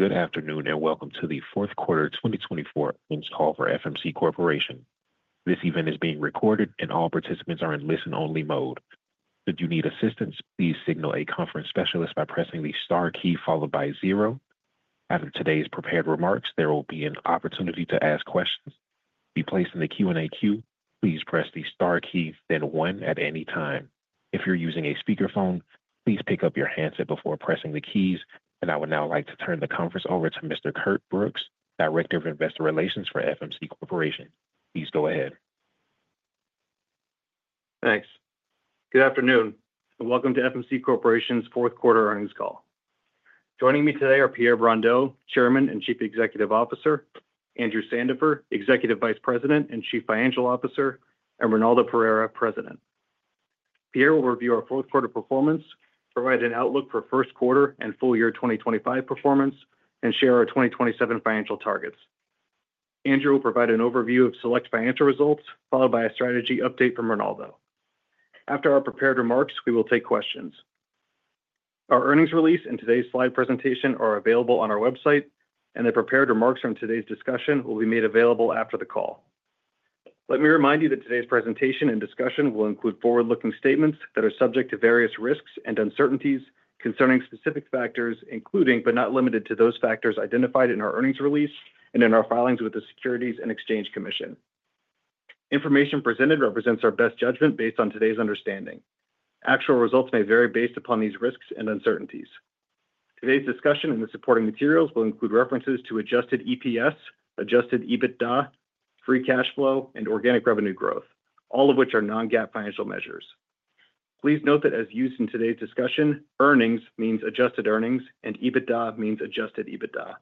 Good afternoon and welcome to the Fourth Quarter 2024 Earnings Call for FMC Corporation. This event is being recorded and all participants are in listen-only mode. Should you need assistance, please signal a conference specialist by pressing the star key followed by zero. After today's prepared remarks, there will be an opportunity to ask questions. To be placed in the Q&A queue, please press the star key, then one at any time. If you're using a speakerphone, please pick up your handset before pressing the keys, and I would now like to turn the conference over to Mr. Curt Brooks, Director of Investor Relations for FMC Corporation. Please go ahead. Thanks. Good afternoon and welcome to FMC Corporation's Fourth Quarter Earnings Call. Joining me today are Pierre Brondeau, Chairman and Chief Executive Officer, Andrew Sandifer, Executive Vice President and Chief Financial Officer, and Ronaldo Pereira, President. Pierre will review our fourth quarter performance, provide an outlook for first quarter and full year 2025 performance, and share our 2027 financial targets. Andrew will provide an overview of select financial results, followed by a strategy update from Ronaldo. After our prepared remarks, we will take questions. Our earnings release and today's slide presentation are available on our website, and the prepared remarks from today's discussion will be made available after the call. Let me remind you that today's presentation and discussion will include forward-looking statements that are subject to various risks and uncertainties concerning specific factors, including but not limited to those factors identified in our earnings release and in our filings with the Securities and Exchange Commission. Information presented represents our best judgment based on today's understanding. Actual results may vary based upon these risks and uncertainties. Today's discussion and the supporting materials will include references to adjusted EPS, adjusted EBITDA, free cash flow, and organic revenue growth, all of which are non-GAAP financial measures. Please note that as used in today's discussion, earnings means adjusted earnings and EBITDA means adjusted EBITDA.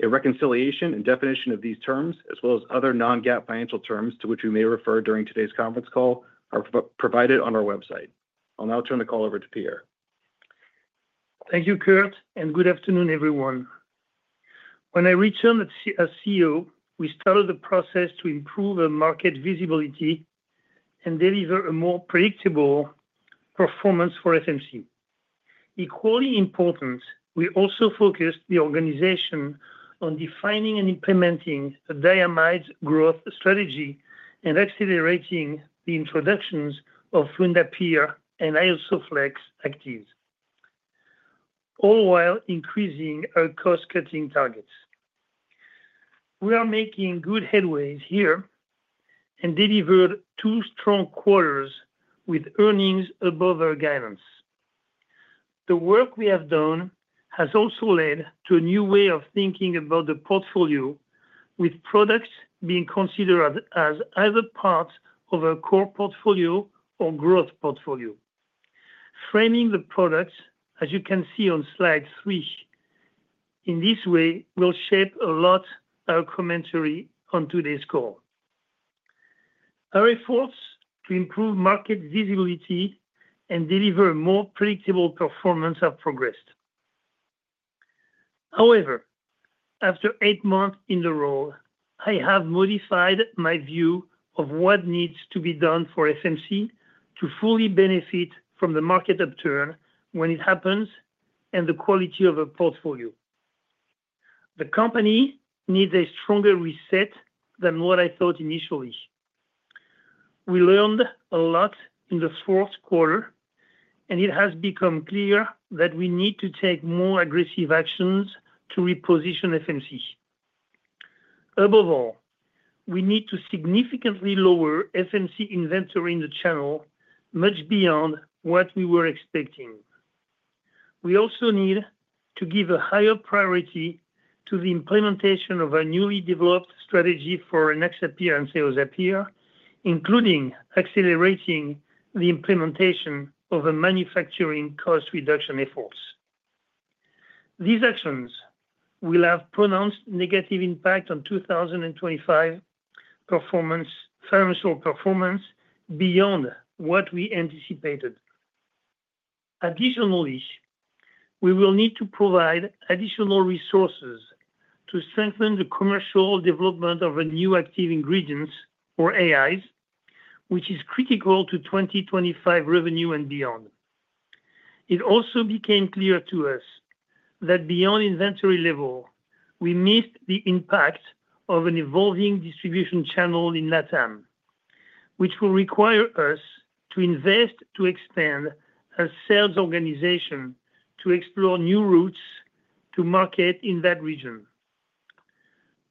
A reconciliation and definition of these terms, as well as other non-GAAP financial terms to which we may refer during today's conference call, are provided on our website. I'll now turn the call over to Pierre. Thank you, Curt, and good afternoon, everyone. When I returned as CEO, we started the process to improve market visibility and deliver a more predictable performance for FMC. Equally important, we also focused the organization on defining and implementing a diamide growth strategy and accelerating the introductions of fluindapyr, Rynaxypyr, and Isoflex actives, all while increasing our cost-cutting targets. We are making good headway here and delivered two strong quarters with earnings above our guidance. The work we have done has also led to a new way of thinking about the portfolio, with products being considered as either parts of a core portfolio or growth portfolio. Framing the products, as you can see on slide three, in this way will shape a lot of our commentary on today's call. Our efforts to improve market visibility and deliver more predictable performance have progressed. However, after eight months in the role, I have modified my view of what needs to be done for FMC to fully benefit from the market upturn when it happens and the quality of a portfolio. The company needs a stronger reset than what I thought initially. We learned a lot in the fourth quarter, and it has become clear that we need to take more aggressive actions to reposition FMC. Above all, we need to significantly lower FMC inventory in the channel much beyond what we were expecting. We also need to give a higher priority to the implementation of a newly developed strategy for Rynaxypyr and Cyazypyr, including accelerating the implementation of manufacturing cost reduction efforts. These actions will have a pronounced negative impact on 2025 financial performance beyond what we anticipated. Additionally, we will need to provide additional resources to strengthen the commercial development of a new active ingredients, or AIs, which is critical to 2025 revenue and beyond. It also became clear to us that beyond inventory level, we missed the impact of an evolving distribution channel in LATAM, which will require us to invest to expand our sales organization to explore new routes to market in that region.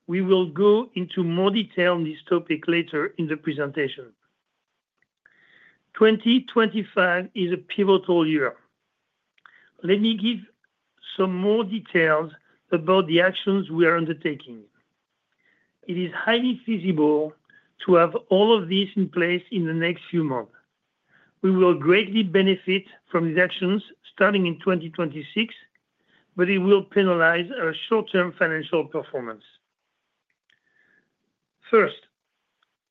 We will go into more detail on this topic later in the presentation. 2025 is a pivotal year. Let me give some more details about the actions we are undertaking. It is highly feasible to have all of this in place in the next few months. We will greatly benefit from these actions starting in 2026, but it will penalize our short-term financial performance. First,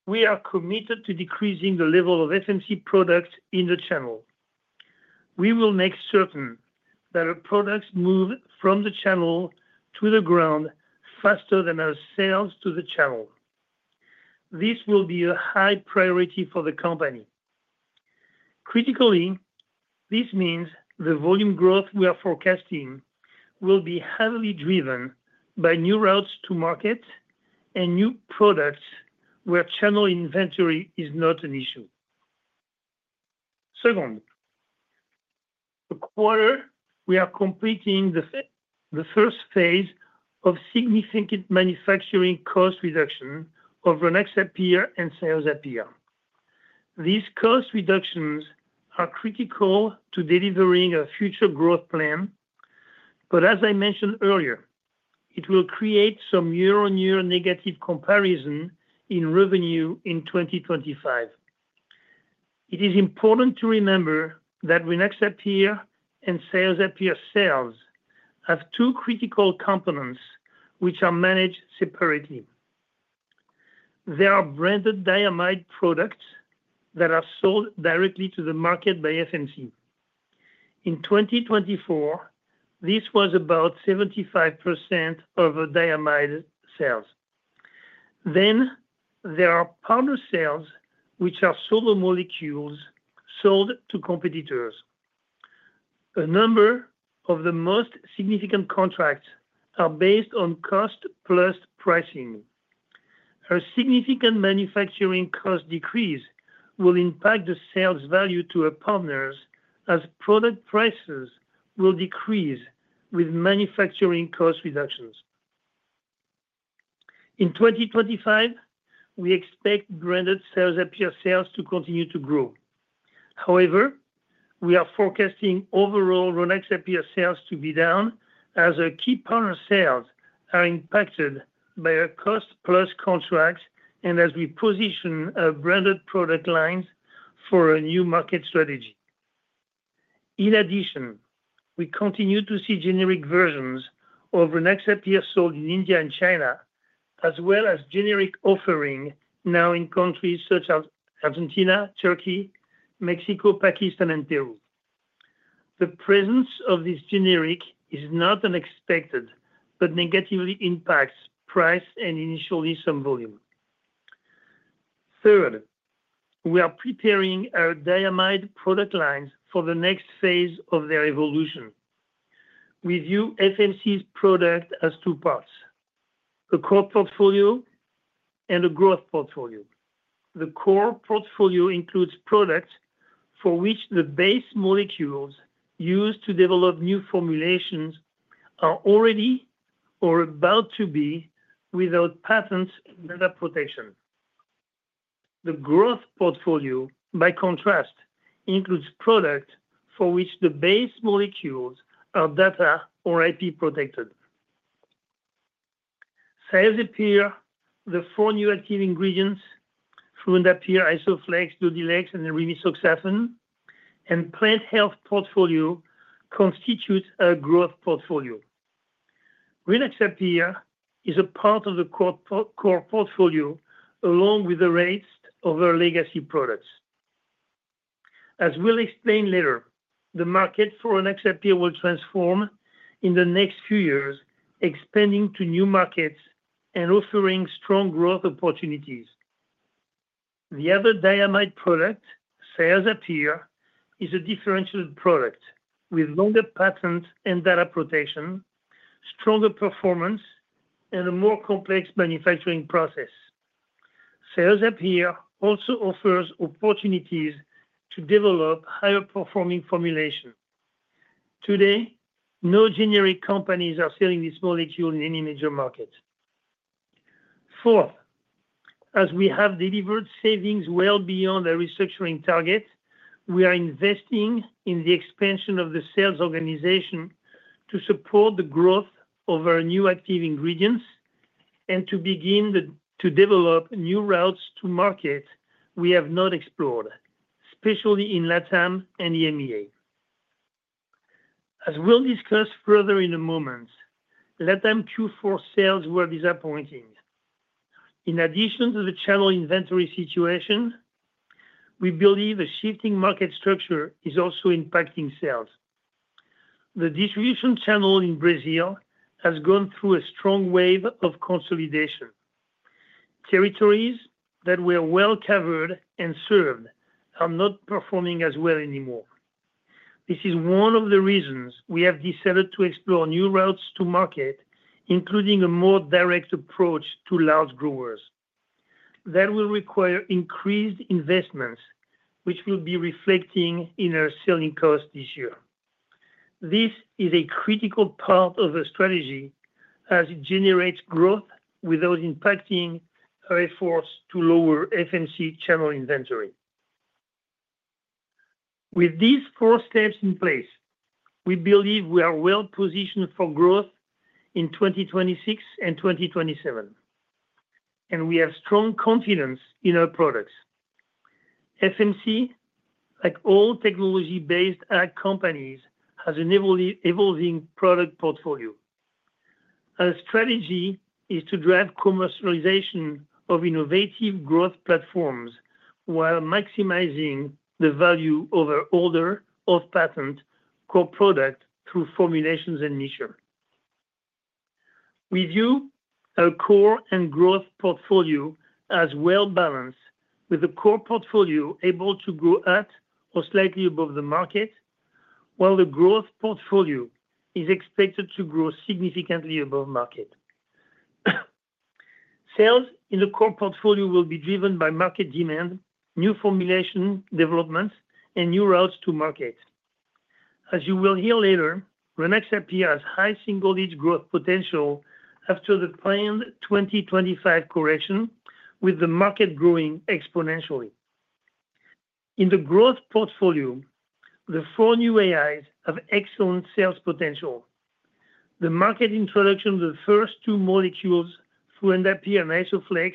we are committed to decreasing the level of FMC products in the channel. We will make certain that our products move from the channel to the ground faster than our sales to the channel. This will be a high priority for the company. Critically, this means the volume growth we are forecasting will be heavily driven by new routes to market and new products where channel inventory is not an issue. Second, this quarter, we are completing the first phase of significant manufacturing cost reduction over Rynaxypyr and Cyazypyr. These cost reductions are critical to delivering a future growth plan, but as I mentioned earlier, it will create some year-on-year negative comparison in revenue in 2025. It is important to remember that Rynaxypyr and Cyazypyr sales have two critical components which are managed separately. There are branded diamide products that are sold directly to the market by FMC. In 2024, this was about 75% of diamide sales. Then there are partner sales which are solo molecules sold to competitors. A number of the most significant contracts are based on cost-plus pricing. A significant manufacturing cost decrease will impact the sales value to our partners as product prices will decrease with manufacturing cost reductions. In 2025, we expect branded Cyazypyr sales to continue to grow. However, we are forecasting overall Rynaxypyr sales to be down as our key partner sales are impacted by our cost-plus contracts and as we position our branded product lines for a new market strategy. In addition, we continue to see generic versions of Rynaxypyr sold in India and China, as well as generic offerings now in countries such as Argentina, Turkey, Mexico, Pakistan, and Peru. The presence of this generic is not unexpected but negatively impacts price and initially some volume. Third, we are preparing our diamide product lines for the next phase of their evolution. We view FMC's product as two parts: a core portfolio and a growth portfolio. The core portfolio includes products for which the base molecules used to develop new formulations are already or about to be without patents and data protection. The growth portfolio, by contrast, includes products for which the base molecules are data or IP protected. Cyazypyr, the four new active ingredients: fluindapyr, Isoflex, Dodhylex, and rimisoxafen, and Plant Health portfolio constitute our growth portfolio. Rynaxypyr is a part of the core portfolio along with the rest of our legacy products. As we'll explain later, the market for Rynaxypyr will transform in the next few years, expanding to new markets and offering strong growth opportunities. The other diamide product, Cyazypyr, is a differentiated product with longer patents and data protection, stronger performance, and a more complex manufacturing process. Cyazypyr also offers opportunities to develop higher performing formulation. Today, no generic companies are selling this molecule in any major market. Fourth, as we have delivered savings well beyond our restructuring target, we are investing in the expansion of the sales organization to support the growth of our new active ingredients and to develop new routes to market we have not explored, especially in LATAM and EMEA. As we'll discuss further in a moment, LATAM Q4 sales were disappointing. In addition to the channel inventory situation, we believe a shifting market structure is also impacting sales. The distribution channel in Brazil has gone through a strong wave of consolidation. Territories that were well covered and served are not performing as well anymore. This is one of the reasons we have decided to explore new routes to market, including a more direct approach to large growers. That will require increased investments, which will be reflecting in our selling costs this year. This is a critical part of our strategy as it generates growth without impacting our efforts to lower FMC channel inventory. With these four steps in place, we believe we are well positioned for growth in 2026 and 2027, and we have strong confidence in our products. FMC, like all technology-based companies, has an evolving product portfolio. Our strategy is to drive commercialization of innovative growth platforms while maximizing the value of our older patent core products through formulations and mixtures. We view our core and growth portfolio as well balanced, with the core portfolio able to grow at or slightly above the market, while the growth portfolio is expected to grow significantly above market. Sales in the core portfolio will be driven by market demand, new formulation developments, and new routes to market. As you will hear later, Rynaxypyr has high single-digit growth potential after the planned 2025 correction, with the market growing exponentially. In the growth portfolio, the four new AIs have excellent sales potential. The market introduction of the first two molecules, fluindapyr and Isoflex,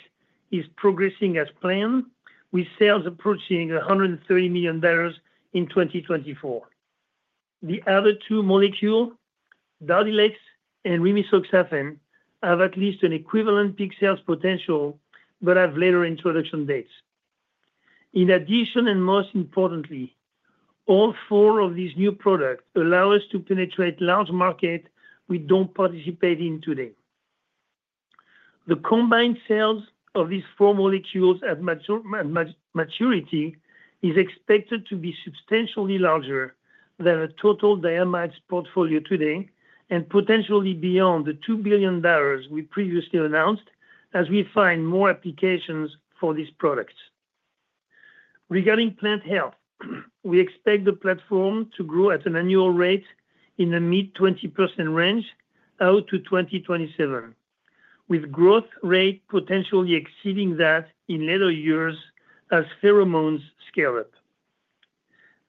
is progressing as planned, with sales approaching $130 million in 2024. The other two molecules, Dodhylex and rimisoxafen, have at least an equally big sales potential but have later introduction dates. In addition, and most importantly, all four of these new products allow us to penetrate large markets we don't participate in today. The combined sales of these four molecules at maturity is expected to be substantially larger than the total diamide portfolio today and potentially beyond the $2 billion we previously announced as we find more applications for these products. Regarding Plant Health, we expect the platform to grow at an annual rate in the mid-20% range out to 2027, with growth rate potentially exceeding that in later years as pheromones scale up.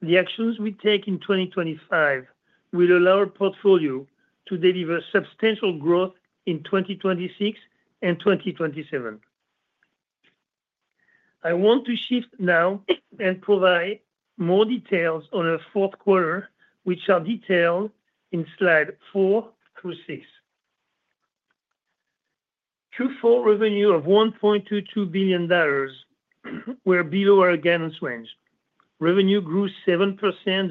The actions we take in 2025 will allow our portfolio to deliver substantial growth in 2026 and 2027. I want to shift now and provide more details on our fourth quarter, which are detailed in slide four through six. Q4 revenue of $1.22 billion were below our guidance range. Revenue grew 7%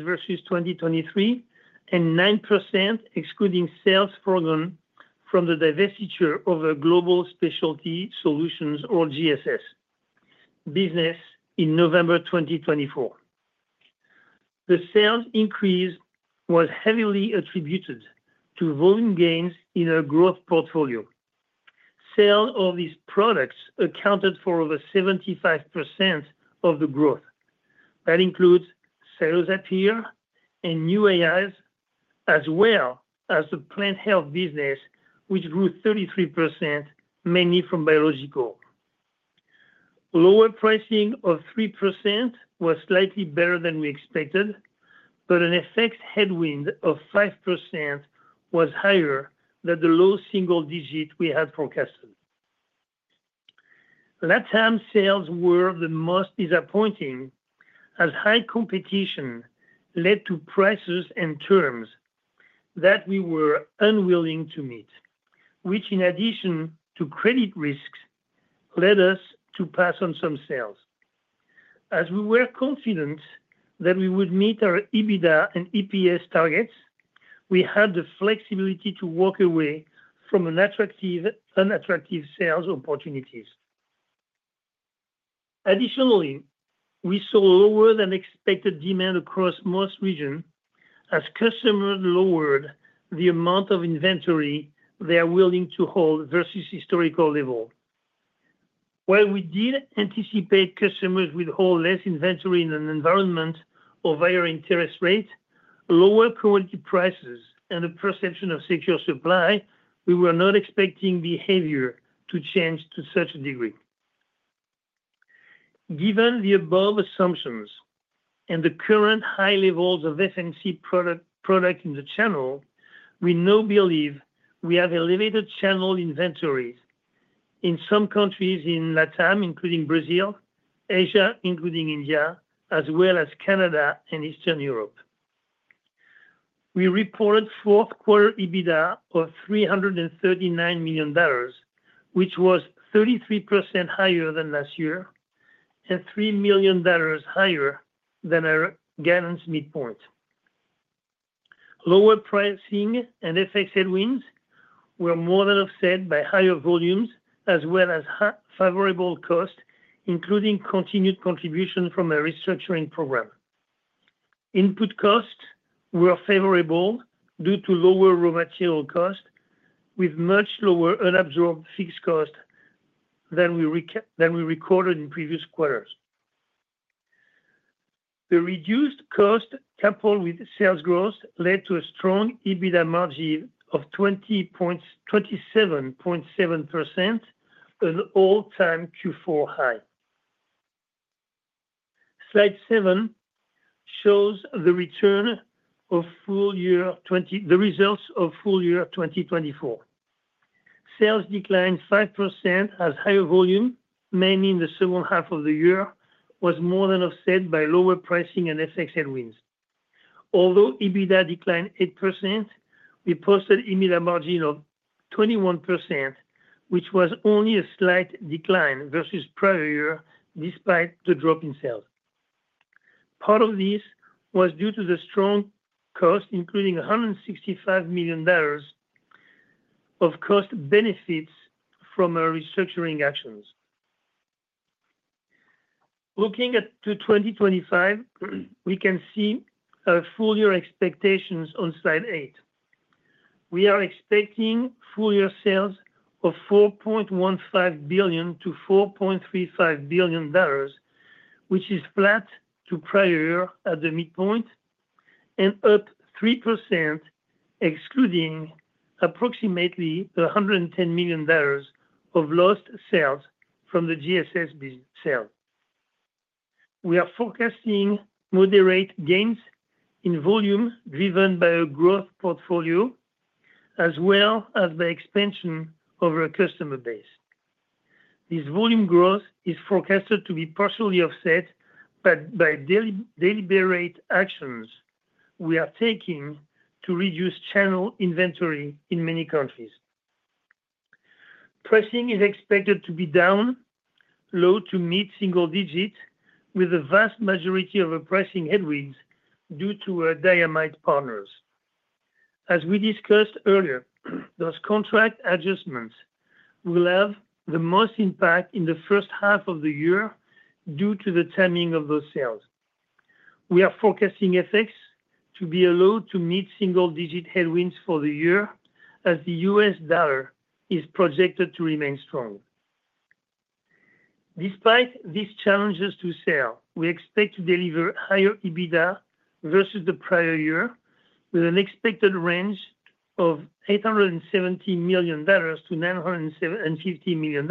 versus 2023 and 9% excluding sales from the divestiture of Global Specialty Solutions or GSS business in November 2024. The sales increase was heavily attributed to volume gains in our growth portfolio. Sales of these products accounted for over 75% of the growth. That Cyazypyr and new AIs as well as the Plant Health business, which grew 33%, mainly from biological. Lower pricing of 3% was slightly better than we expected, but an FX headwind of 5% was higher than the low single digit we had forecasted. LATAM sales were the most disappointing as high competition led to prices and terms that we were unwilling to meet, which in addition to credit risks led us to pass on some sales. As we were confident that we would meet our EBITDA and EPS targets, we had the flexibility to walk away from unattractive sales opportunities. Additionally, we saw lower than expected demand across most regions as customers lowered the amount of inventory they are willing to hold versus historical levels. While we did anticipate customers would hold less inventory in an environment of higher interest rates, lower commodity prices, and the perception of secure supply, we were not expecting behavior to change to such a degree. Given the above assumptions and the current high levels of FMC product in the channel, we now believe we have elevated channel inventories in some countries in LATAM, including Brazil, Asia including India, as well as Canada and Eastern Europe. We reported fourth quarter EBITDA of $339 million, which was 33% higher than last year and $3 million higher than our guidance midpoint. Lower pricing and FX headwinds were more than offset by higher volumes as well as favorable costs, including continued contribution from our restructuring program. Input costs were favorable due to lower raw material costs with much lower unabsorbed fixed costs than we recorded in previous quarters. The reduced cost coupled with sales growth led to a strong EBITDA margin of 27.7%, an all-time Q4 high. Slide seven shows the results for full year 2024. Sales declined 5% as higher volume, mainly in the second half of the year, was more than offset by lower pricing and FX headwinds. Although EBITDA declined 8%, we posted EBITDA margin of 21%, which was only a slight decline versus prior year despite the drop in sales. Part of this was due to the strong cost, including $165 million of cost benefits from our restructuring actions. Looking to 2025, we can see our full year expectations on slide eight. We are expecting full year sales of $4.15 billion-$4.35 billion, which is flat to prior year at the midpoint and up 3%, excluding approximately $110 million of lost sales from the GSS sale. We are forecasting moderate gains in volume driven by our growth portfolio as well as by expansion of our customer base. This volume growth is forecasted to be partially offset by deliberate actions we are taking to reduce channel inventory in many countries. Pricing is expected to be down low- to mid-single-digit, with a vast majority of our pricing headwinds due to our diamide partners. As we discussed earlier, those contract adjustments will have the most impact in the first half of the year due to the timing of those sales. We are forecasting FX effects to be flat to mid-single digit headwinds for the year as the U.S. dollar is projected to remain strong. Despite these challenges to sales, we expect to deliver higher EBITDA versus the prior year with an expected range of $870 million-$950 million,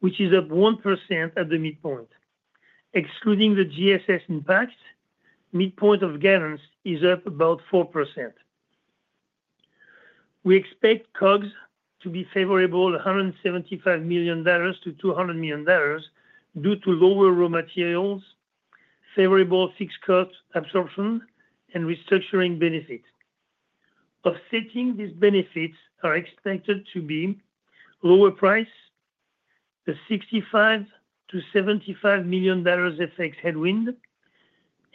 which is up 1% at the midpoint. Excluding the GSS impact, midpoint of guidance is up about 4%. We expect COGS to be favorable by $175 million-$200 million due to lower raw materials, favorable fixed cost absorption, and restructuring benefits. Offsetting these benefits are expected to be lower prices, the $65 million-$75 million FX headwind,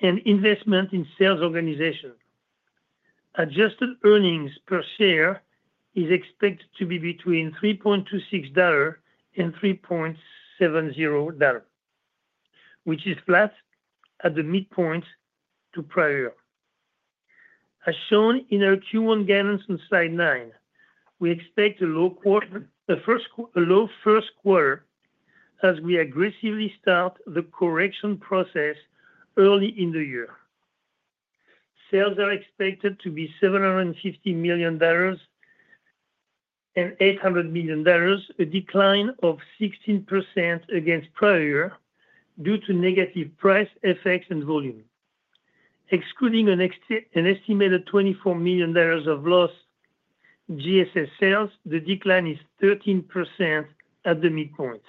and investment in sales organization. Adjusted earnings per share is expected to be between $3.26 and $3.70, which is flat at the midpoint to prior year. As shown in our Q1 guidance on slide nine, we expect a low first quarter as we aggressively start the correction process early in the year. Sales are expected to be $750 million and $800 million, a decline of 16% against prior year due to negative price effects and volume. Excluding an estimated $24 million of lost GSS sales, the decline is 13% at the midpoint.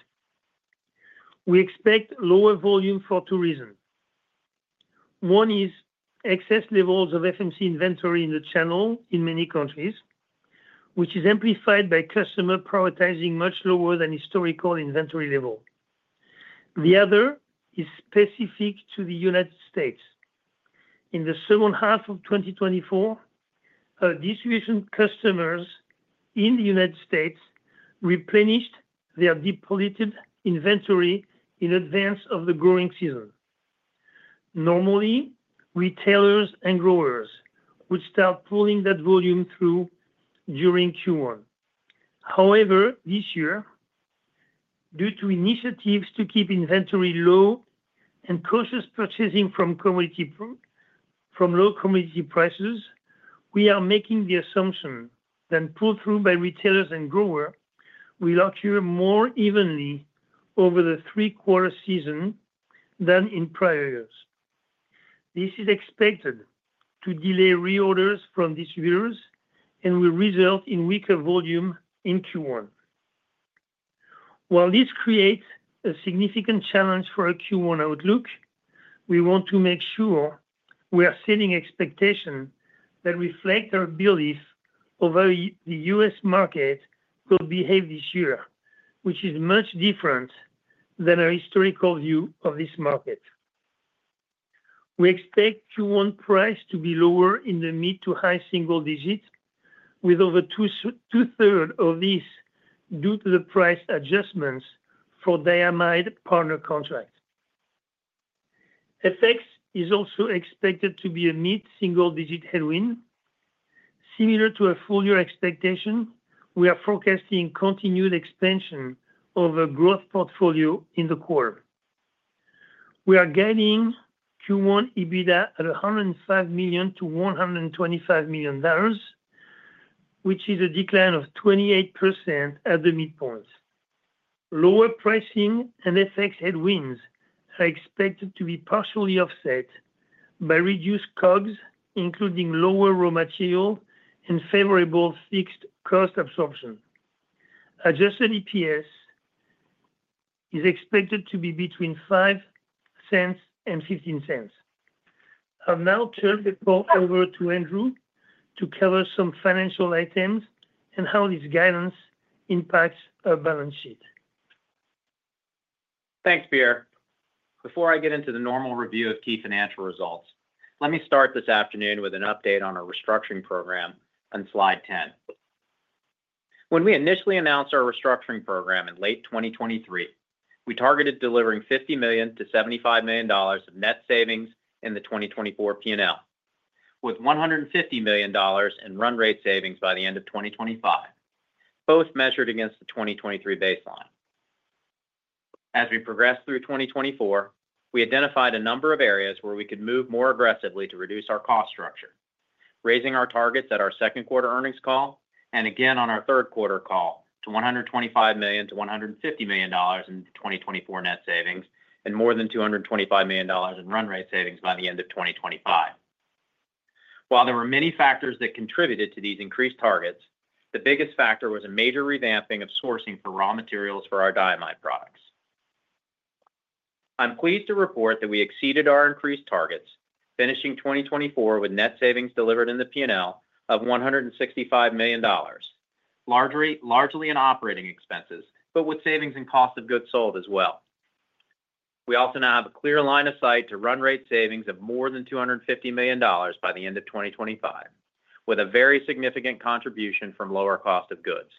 We expect lower volume for two reasons. One is excess levels of FMC inventory in the channel in many countries, which is amplified by customer prioritizing much lower than historical inventory level. The other is specific to the United States. In the second half of 2024, distribution customers in the United States replenished their depleted inventory in advance of the growing season. Normally, retailers and growers would start pulling that volume through during Q1. However, this year, due to initiatives to keep inventory low and cautious purchasing from low commodity prices, we are making the assumption that pull-through by retailers and growers will occur more evenly over the three-quarter season than in prior years. This is expected to delay reorders from distributors and will result in weaker volume in Q1. While this creates a significant challenge for our Q1 outlook, we want to make sure we are setting expectations that reflect our belief of how the U.S. market will behave this year, which is much different than our historical view of this market. We expect Q1 price to be lower in the mid- to high-single-digit, with over 2/3 of this due to the price adjustments for diamide partner contracts. FX is also expected to be a mid-single-digit headwind. Similar to our full year expectation, we are forecasting continued expansion of our growth portfolio in the quarter. We are guiding Q1 EBITDA at $105 million-$125 million, which is a decline of 28% at the midpoint. Lower pricing and FX headwinds are expected to be partially offset by reduced COGS, including lower raw material and favorable fixed cost absorption. Adjusted EPS is expected to be between $0.05 and $0.15. I've now turned the call over to Andrew to cover some financial items and how this guidance impacts our balance sheet. Thanks, Pierre. Before I get into the normal review of key financial results, let me start this afternoon with an update on our restructuring program on slide 10. When we initially announced our restructuring program in late 2023, we targeted delivering $50 million-$75 million of net savings in the 2024 P&L, with $150 million in run rate savings by the end of 2025, both measured against the 2023 baseline. As we progressed through 2024, we identified a number of areas where we could move more aggressively to reduce our cost structure, raising our targets at our second quarter earnings call and again on our third quarter call to $125 million-$150 million in 2024 net savings and more than $225 million in run rate savings by the end of 2025. While there were many factors that contributed to these increased targets, the biggest factor was a major revamping of sourcing for raw materials for our diamide products. I'm pleased to report that we exceeded our increased targets, finishing 2024 with net savings delivered in the P&L of $165 million, largely in operating expenses, but with savings in cost of goods sold as well. We also now have a clear line of sight to run rate savings of more than $250 million by the end of 2025, with a very significant contribution from lower cost of goods.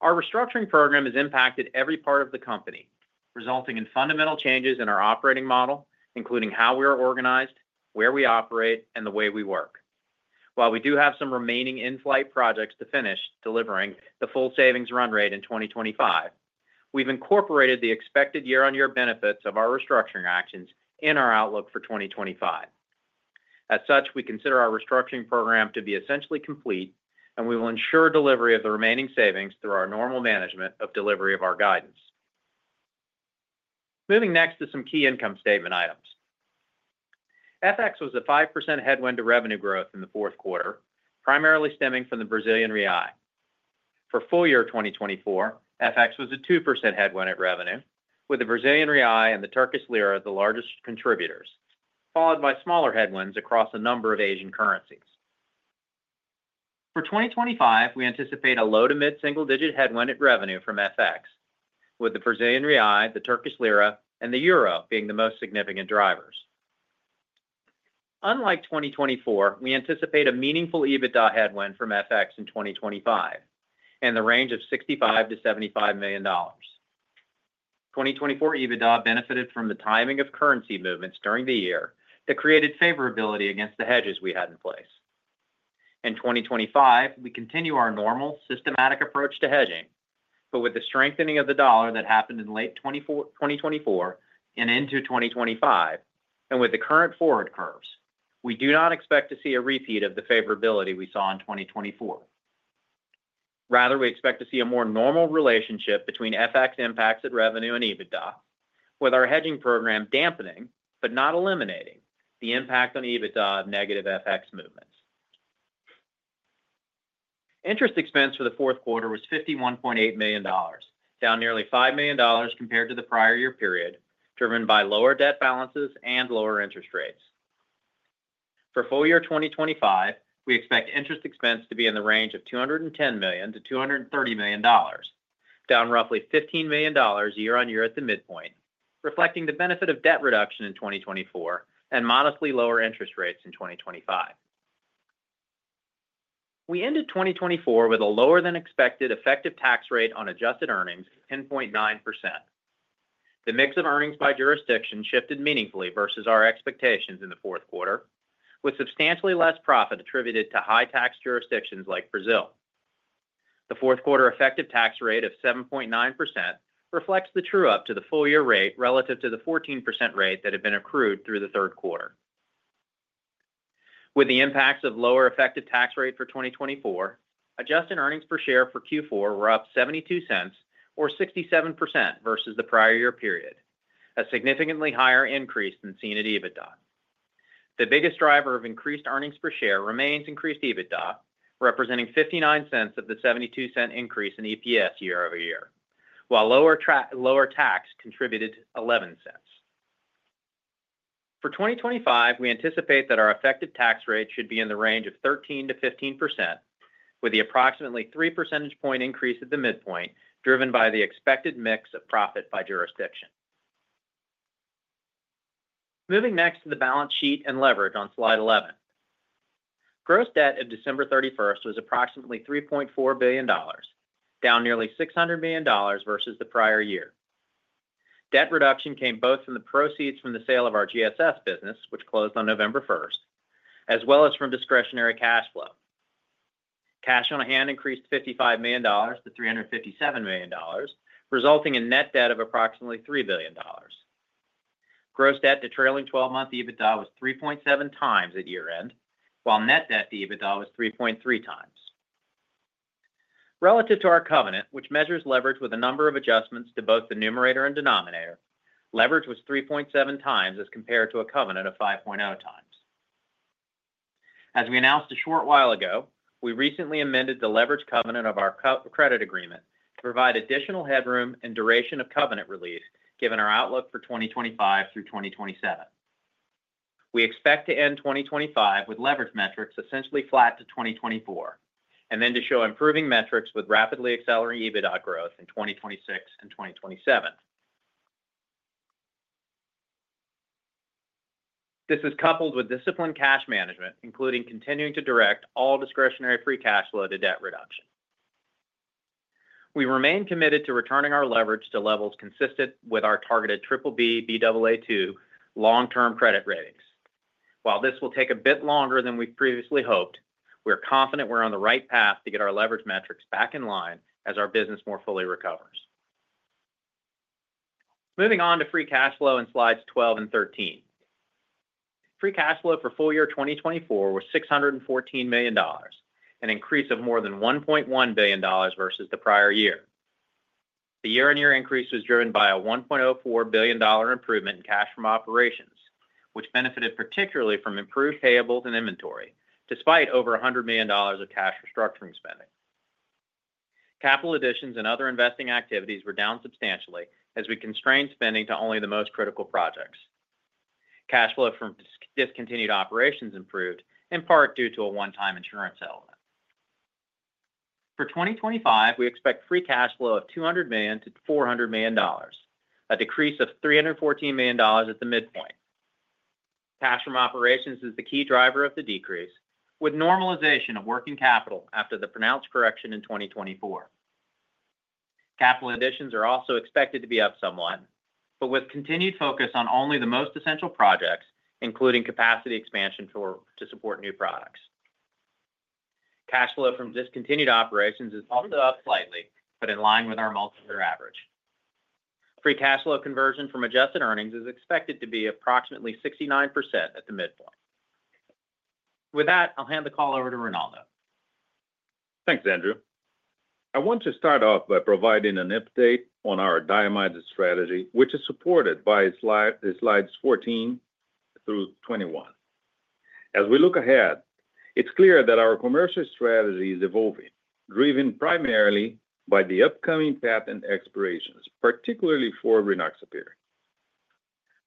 Our restructuring program has impacted every part of the company, resulting in fundamental changes in our operating model, including how we are organized, where we operate, and the way we work. While we do have some remaining in-flight projects to finish delivering the full savings run rate in 2025, we've incorporated the expected year-on-year benefits of our restructuring actions in our outlook for 2025. As such, we consider our restructuring program to be essentially complete, and we will ensure delivery of the remaining savings through our normal management of delivery of our guidance. Moving next to some key income statement items. FX was a 5% headwind to revenue growth in the fourth quarter, primarily stemming from the Brazilian real. For full year 2024, FX was a 2% headwind to revenue, with the Brazilian real and the Turkish lira the largest contributors, followed by smaller headwinds across a number of Asian currencies. For 2025, we anticipate a low to mid single digit headwind to revenue from FX, with the Brazilian real, the Turkish lira, and the euro being the most significant drivers. Unlike 2024, we anticipate a meaningful EBITDA headwind from FX in 2025 in the range of $65 million-$75 million. 2024 EBITDA benefited from the timing of currency movements during the year that created favorability against the hedges we had in place. In 2025, we continue our normal systematic approach to hedging, but with the strengthening of the dollar that happened in late 2024 and into 2025, and with the current forward curves, we do not expect to see a repeat of the favorability we saw in 2024. Rather, we expect to see a more normal relationship between FX impacts at revenue and EBITDA, with our hedging program dampening but not eliminating the impact on EBITDA of negative FX movements. Interest expense for the fourth quarter was $51.8 million, down nearly $5 million compared to the prior year period, driven by lower debt balances and lower interest rates. For full year 2025, we expect interest expense to be in the range of $210 million-$230 million, down roughly $15 million year-on-year at the midpoint, reflecting the benefit of debt reduction in 2024 and modestly lower interest rates in 2025. We ended 2024 with a lower-than-expected effective tax rate on adjusted earnings of 10.9%. The mix of earnings by jurisdiction shifted meaningfully versus our expectations in the fourth quarter, with substantially less profit attributed to high-tax jurisdictions like Brazil. The fourth quarter effective tax rate of 7.9% reflects the true-up to the full year rate relative to the 14% rate that had been accrued through the third quarter. With the impacts of lower effective tax rate for 2024, adjusted earnings per share for Q4 were up $0.72 or 67% versus the prior year period, a significantly higher increase than seen at EBITDA. The biggest driver of increased earnings per share remains increased EBITDA, representing $0.59 of the $0.72 increase in EPS year-over-year, while lower tax contributed $0.11. For 2025, we anticipate that our effective tax rate should be in the range of 13%-15%, with the approximately three percentage point increase at the midpoint driven by the expected mix of profit by jurisdiction. Moving next to the balance sheet and leverage on slide 11. Gross debt of December 31st was approximately $3.4 billion, down nearly $600 million versus the prior year. Debt reduction came both from the proceeds from the sale of our GSS business, which closed on November 1st, as well as from discretionary cash flow. Cash on hand increased $55 million-$357 million, resulting in net debt of approximately $3 billion. Gross debt to trailing 12-month EBITDA was 3.7x at year-end, while net debt to EBITDA was 3.3x. Relative to our covenant, which measures leverage with a number of adjustments to both the numerator and denominator, leverage was 3.7x as compared to a covenant of 5.0x. As we announced a short while ago, we recently amended the leverage covenant of our credit agreement to provide additional headroom and duration of covenant release given our outlook for 2025 through 2027. We expect to end 2025 with leverage metrics essentially flat to 2024, and then to show improving metrics with rapidly accelerating EBITDA growth in 2026 and 2027. This is coupled with disciplined cash management, including continuing to direct all discretionary free cash flow to debt reduction. We remain committed to returning our leverage to levels consistent with our targeted BBB/Baa2 long-term credit ratings. While this will take a bit longer than we previously hoped, we are confident we're on the right path to get our leverage metrics back in line as our business more fully recovers. Moving on to free cash flow in slides 12 and 13. Free cash flow for full year 2024 was $614 million, an increase of more than $1.1 billion versus the prior year. The year-on-year increase was driven by a $1.04 billion improvement in cash from operations, which benefited particularly from improved payables and inventory, despite over $100 million of cash restructuring spending. Capital additions and other investing activities were down substantially as we constrained spending to only the most critical projects. Cash flow from discontinued operations improved, in part due to a one-time insurance element. For 2025, we expect free cash flow of $200 million-$400 million, a decrease of $314 million at the midpoint. Cash from operations is the key driver of the decrease, with normalization of working capital after the pronounced correction in 2024. Capital additions are also expected to be up somewhat, but with continued focus on only the most essential projects, including capacity expansion to support new products. Cash flow from discontinued operations is also up slightly, but in line with our multi-year average. Free cash flow conversion from adjusted earnings is expected to be approximately 69% at the midpoint. With that, I'll hand the call over to Ronaldo. Thanks, Andrew. I want to start off by providing an update on our diamide strategy, which is supported by slides 14 through 21. As we look ahead, it's clear that our commercial strategy is evolving, driven primarily by the upcoming patent expirations, particularly for Rynaxypyr.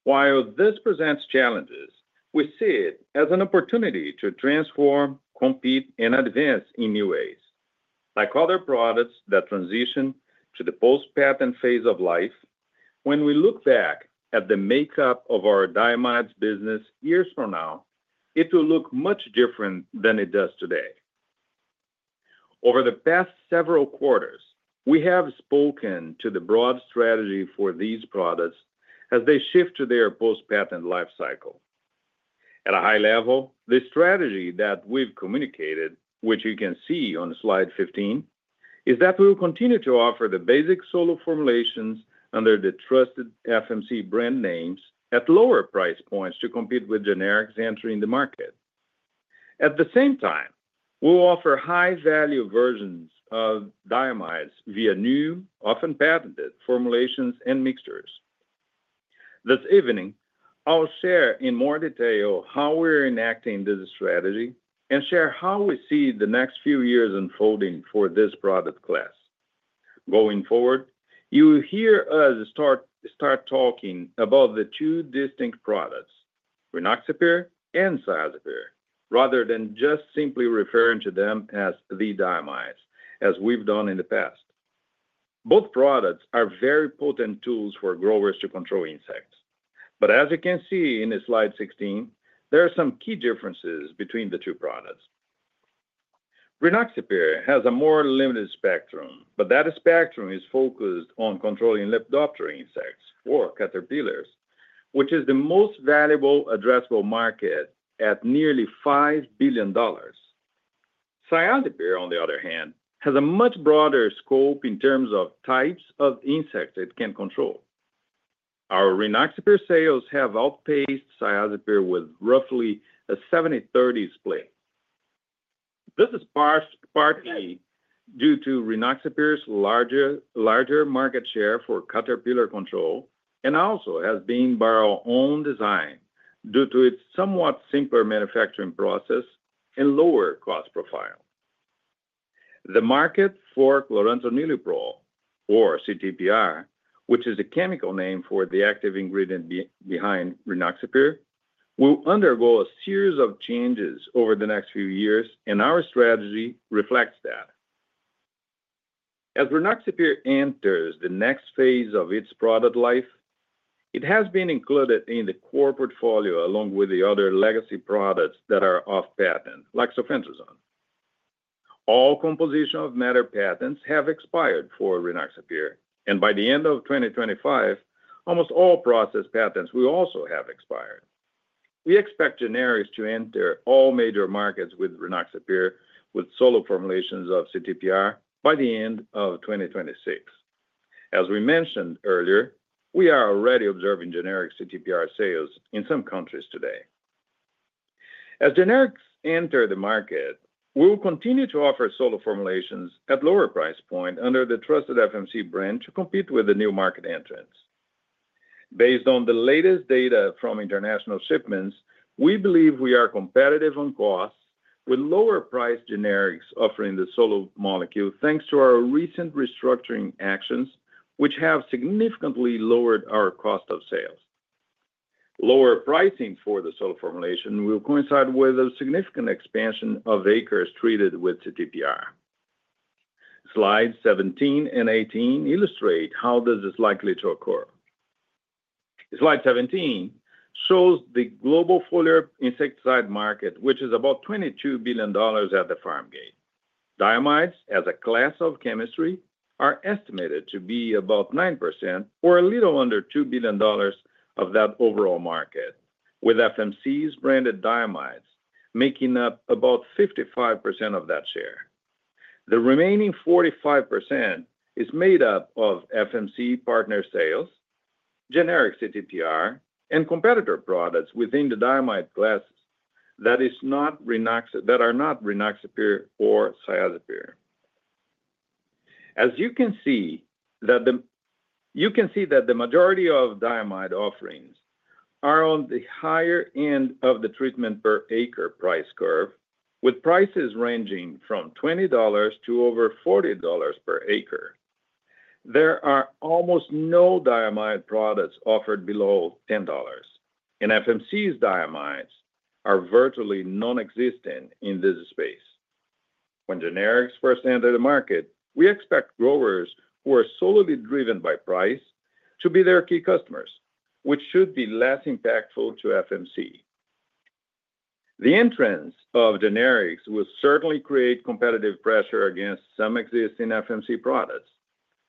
While this presents challenges, we see it as an opportunity to transform, compete, and advance in new ways. Like other products that transition to the post-patent phase of life, when we look back at the makeup of our diamide business years from now, it will look much different than it does today. Over the past several quarters, we have spoken to the broad strategy for these products as they shift to their post-patent lifecycle. At a high level, the strategy that we've communicated, which you can see on slide 15, is that we will continue to offer the basic solo formulations under the trusted FMC brand names at lower price points to compete with generics entering the market. At the same time, we'll offer high-value versions of diamides via new, often patented formulations and mixtures. This evening, I'll share in more detail how we're enacting this strategy and share how we see the next few years unfolding for this product class. Going forward, you will hear us start talking about the two distinct products, Rynaxypyr and Cyazypyr, rather than just simply referring to them as the diamides, as we've done in the past. Both products are very potent tools for growers to control insects. But as you can see in slide 16, there are some key differences between the two products. Rynaxypyr has a more limited spectrum, but that spectrum is focused on controlling Lepidoptera insects or caterpillars, which is the most valuable addressable market at nearly $5 billion. Cyazypyr, on the other hand, has a much broader scope in terms of types of insects it can control. Our Rynaxypyr sales have outpaced Cyazypyr with roughly a 70%-30% split. This is partly due to Rynaxypyr's larger market share for caterpillar control and also has been by our own design due to its somewhat simpler manufacturing process and lower cost profile. The market for chlorantraniliprole, or CTPR, which is a chemical name for the active ingredient behind Rynaxypyr, will undergo a series of changes over the next few years, and our strategy reflects that. As Rynaxypyr enters the next phase of its product life, it has been included in the core portfolio along with the other legacy products that are off-patent, like sulfentrazone. All composition of matter patents have expired for Rynaxypyr, and by the end of 2025, almost all process patents will also have expired. We expect generics to enter all major markets with Rynaxypyr with solo formulations of CTPR by the end of 2026. As we mentioned earlier, we are already observing generic CTPR sales in some countries today. As generics enter the market, we will continue to offer solo formulations at lower price points under the trusted FMC brand to compete with the new market entrants. Based on the latest data from international shipments, we believe we are competitive on cost with lower-priced generics offering the solo molecule thanks to our recent restructuring actions, which have significantly lowered our cost of sales. Lower pricing for the solo formulation will coincide with a significant expansion of acres treated with CTPR. Slides 17 and 18 illustrate how this is likely to occur. Slide 17 shows the global foliar insecticide market, which is about $22 billion at the farm gate. Diamides, as a class of chemistry, are estimated to be about 9% or a little under $2 billion of that overall market, with FMC's branded diamides making up about 55% of that share. The remaining 45% is made up of FMC partner sales, generic CTPR, and competitor products within the diamide classes that are not Rynaxypyr or Cyazypyr. As you can see that the majority of diamide offerings are on the higher end of the treatment per acre price curve, with prices ranging from $20 to over $40 per acre. There are almost no diamide products offered below $10, and FMC's diamides are virtually non-existent in this space. When generics first enter the market, we expect growers who are solely driven by price to be their key customers, which should be less impactful to FMC. The entrance of generics will certainly create competitive pressure against some existing FMC products.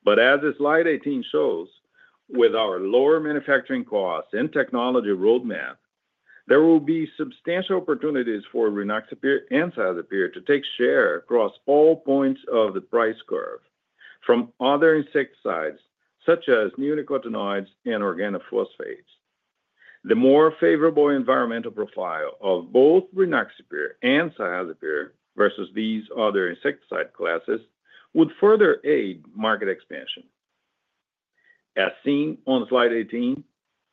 But as slide 18 shows, with our lower manufacturing costs and technology roadmap, there will be substantial opportunities for Rynaxypyr and Cyazypyr to take share across all points of the price curve from other insecticides such as neonicotinoids and organophosphates. The more favorable environmental profile of both Rynaxypyr and Cyazypyr versus these other insecticide classes would further aid market expansion. As seen on slide 18,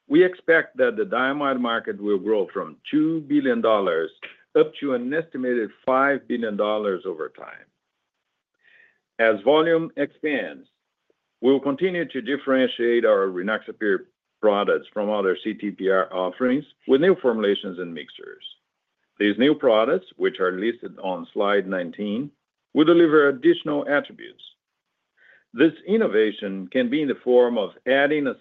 we expect that the diamide market will grow from $2 billion up to an estimated $5 billion over time. As volume expands, we will continue to differentiate our Rynaxypyr products from other CTPR offerings with new formulations and mixtures. These new products, which are listed on slide 19, will deliver additional attributes. This innovation can be in the form of adding a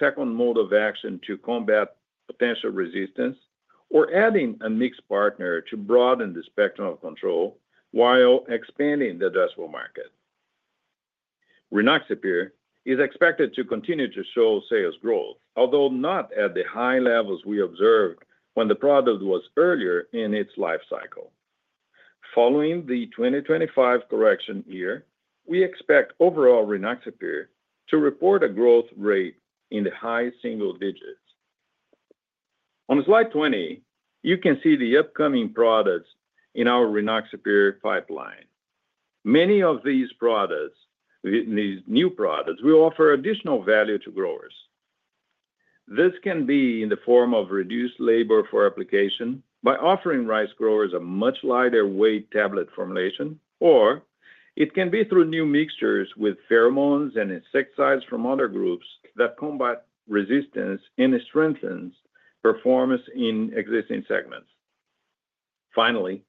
second mode of action to combat potential resistance or adding a mixed partner to broaden the spectrum of control while expanding the addressable market. Rynaxypyr is expected to continue to show sales growth, although not at the high levels we observed when the product was earlier in its life cycle. Following the 2025 correction year, we expect overall Rynaxypyr to report a growth rate in the high single digits. On slide 20, you can see the upcoming products in our Rynaxypyr pipeline. Many of these new products will offer additional value to growers. This can be in the form of reduced labor for application by offering rice growers a much lighter weight tablet formulation, or it can be through new mixtures with pheromones and insecticides from other groups that combat resistance and strengthen performance in existing segments. Finally,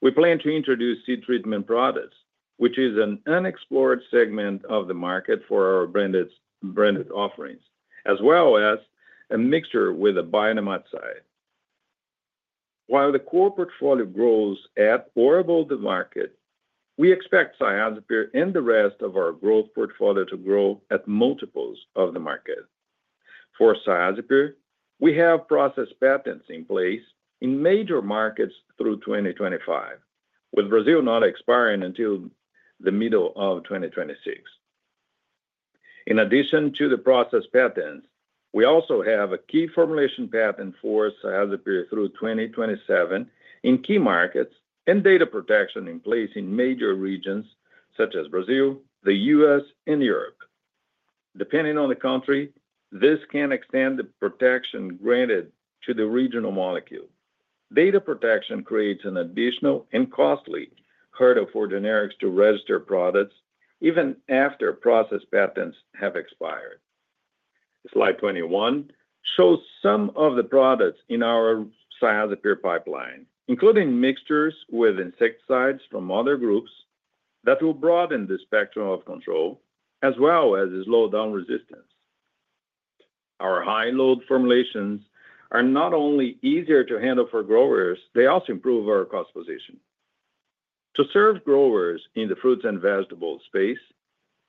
we plan to introduce seed treatment products, which is an unexplored segment of the market for our branded offerings, as well as a mixture with a bionematicide. While the core portfolio grows at or above the market, we expect Cyazypyr and the rest of our growth portfolio to grow at multiples of the market. For Cyazypyr, we have process patents in place in major markets through 2025, with Brazil not expiring until the middle of 2026. In addition to the process patents, we also have a key formulation patent for Cyazypyr through 2027 in key markets and data protection in place in major regions such as Brazil, the U.S., and Europe. Depending on the country, this can extend the protection granted to the original molecule. Data protection creates an additional and costly hurdle for generics to register products even after process patents have expired. Slide 21 shows some of the products in our Cyazypyr pipeline, including mixtures with insecticides from other groups that will broaden the spectrum of control as well as slow down resistance. Our high-load formulations are not only easier to handle for growers, they also improve our cost position. To serve growers in the fruits and vegetable space,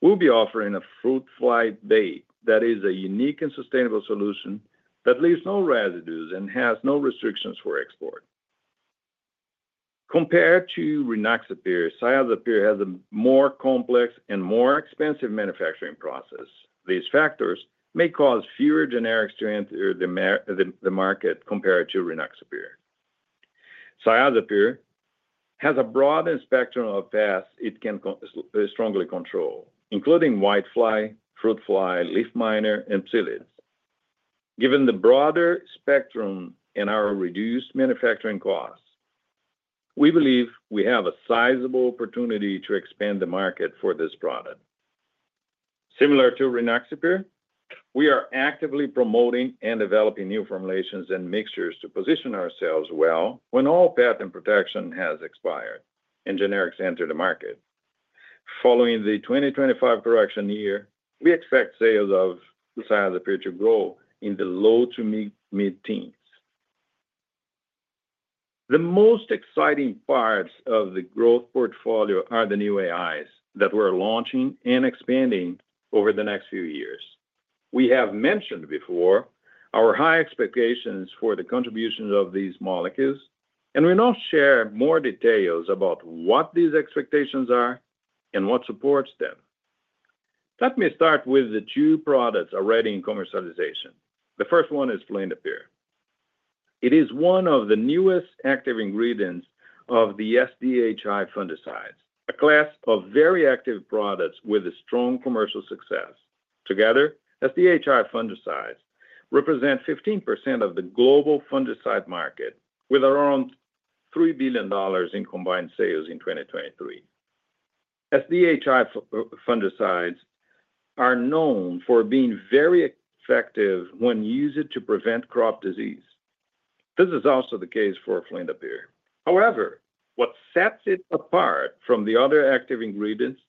we'll be offering a fruit fly bait that is a unique and sustainable solution that leaves no residues and has no restrictions for export. Compared to Rynaxypyr, Cyazypyr has a more complex and more expensive manufacturing process. These factors may cause fewer generics to enter the market compared to Rynaxypyr. Cyazypyr has a broad spectrum of pests it can strongly control, including whitefly, fruit fly, leaf miner, and psyllids. Given the broader spectrum and our reduced manufacturing costs, we believe we have a sizable opportunity to expand the market for this product. Similar to Rynaxypyr, we are actively promoting and developing new formulations and mixtures to position ourselves well when all patent protection has expired and generics enter the market. Following the 2025 correction year, we expect sales of Cyazypyr to grow in the low to mid-teens. The most exciting parts of the growth portfolio are the new AIs that we're launching and expanding over the next few years. We have mentioned before our high expectations for the contribution of these molecules, and we now share more details about what these expectations are and what supports them. Let me start with the two products already in commercialization. The first one is fluindapyr. It is one of the newest active ingredients of the SDHI fungicides, a class of very active products with strong commercial success. Together, SDHI fungicides represent 15% of the global fungicide market, with around $3 billion in combined sales in 2023. SDHI fungicides are known for being very effective when used to prevent crop disease. This is also the case for fluindapyr. However, what sets it apart from the other active ingredients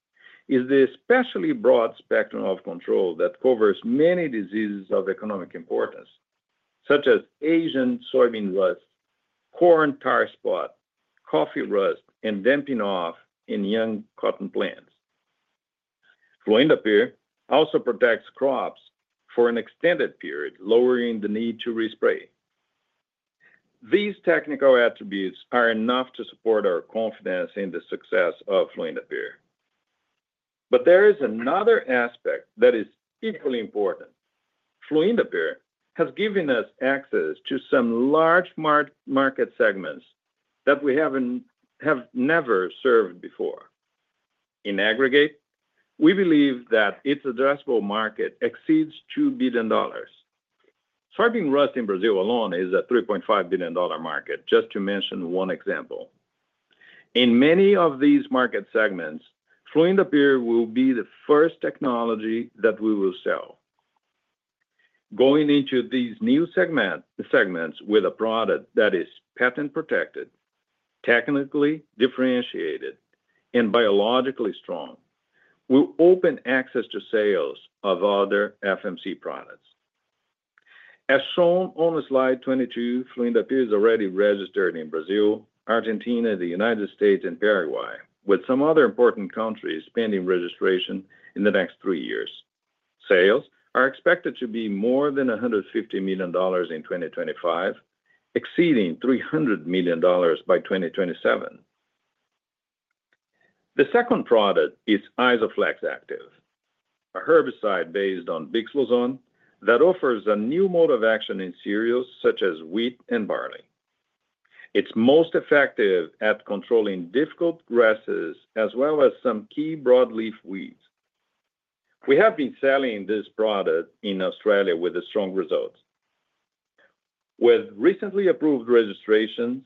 is the especially broad spectrum of control that covers many diseases of economic importance, such as Asian soybean rust, corn tar spot, coffee rust, and damping off in young cotton plants. fluindapyr also protects crops for an extended period, lowering the need to re-spray. These technical attributes are enough to support our confidence in the success of fluindapyr. But there is another aspect that is equally important. Fluindapyr has given us access to some large market segments that we have never served before. In aggregate, we believe that its addressable market exceeds $2 billion. Soybean rust in Brazil alone is a $3.5 billion market, just to mention one example. In many of these market segments, fluindapyr will be the first technology that we will sell. Going into these new segments with a product that is patent-protected, technically differentiated, and biologically strong, will open access to sales of other FMC products. As shown on slide 22, fluindapyr is already registered in Brazil, Argentina, the United States, and Paraguay, with some other important countries pending registration in the next three years. Sales are expected to be more than $150 million in 2025, exceeding $300 million by 2027. The second product is Isoflex active, a herbicide based on bixlozone that offers a new mode of action in cereals such as wheat and barley. It's most effective at controlling difficult grasses as well as some key broadleaf weeds. We have been selling this product in Australia with strong results. With recently approved registrations,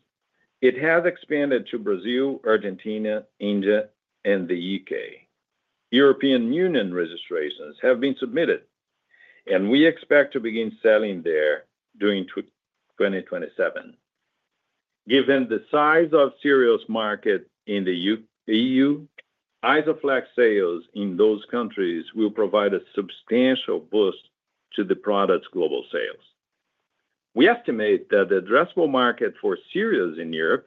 it has expanded to Brazil, Argentina, India, and the U.K. European Union registrations have been submitted, and we expect to begin selling there during 2027. Given the size of cereals market in the EU, Isoflex sales in those countries will provide a substantial boost to the product's global sales. We estimate that the addressable market for cereals in Europe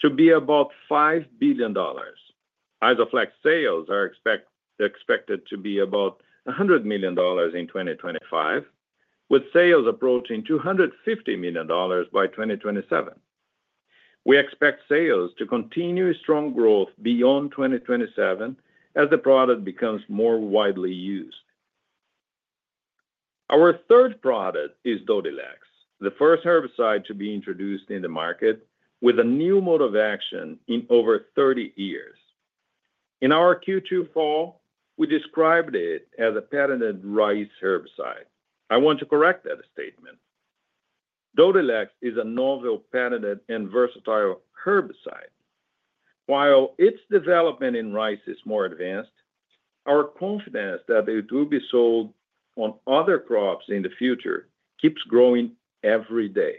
to be about $5 billion. Isoflex sales are expected to be about $100 million in 2025, with sales approaching $250 million by 2027. We expect sales to continue strong growth beyond 2027 as the product becomes more widely used. Our third product is Dodhylex, the first herbicide to be introduced in the market with a new mode of action in over 30 years. In our Q2 call, we described it as a patented rice herbicide. I want to correct that statement. Dodhylex is a novel patented and versatile herbicide. While its development in rice is more advanced, our confidence that it will be sold on other crops in the future keeps growing every day.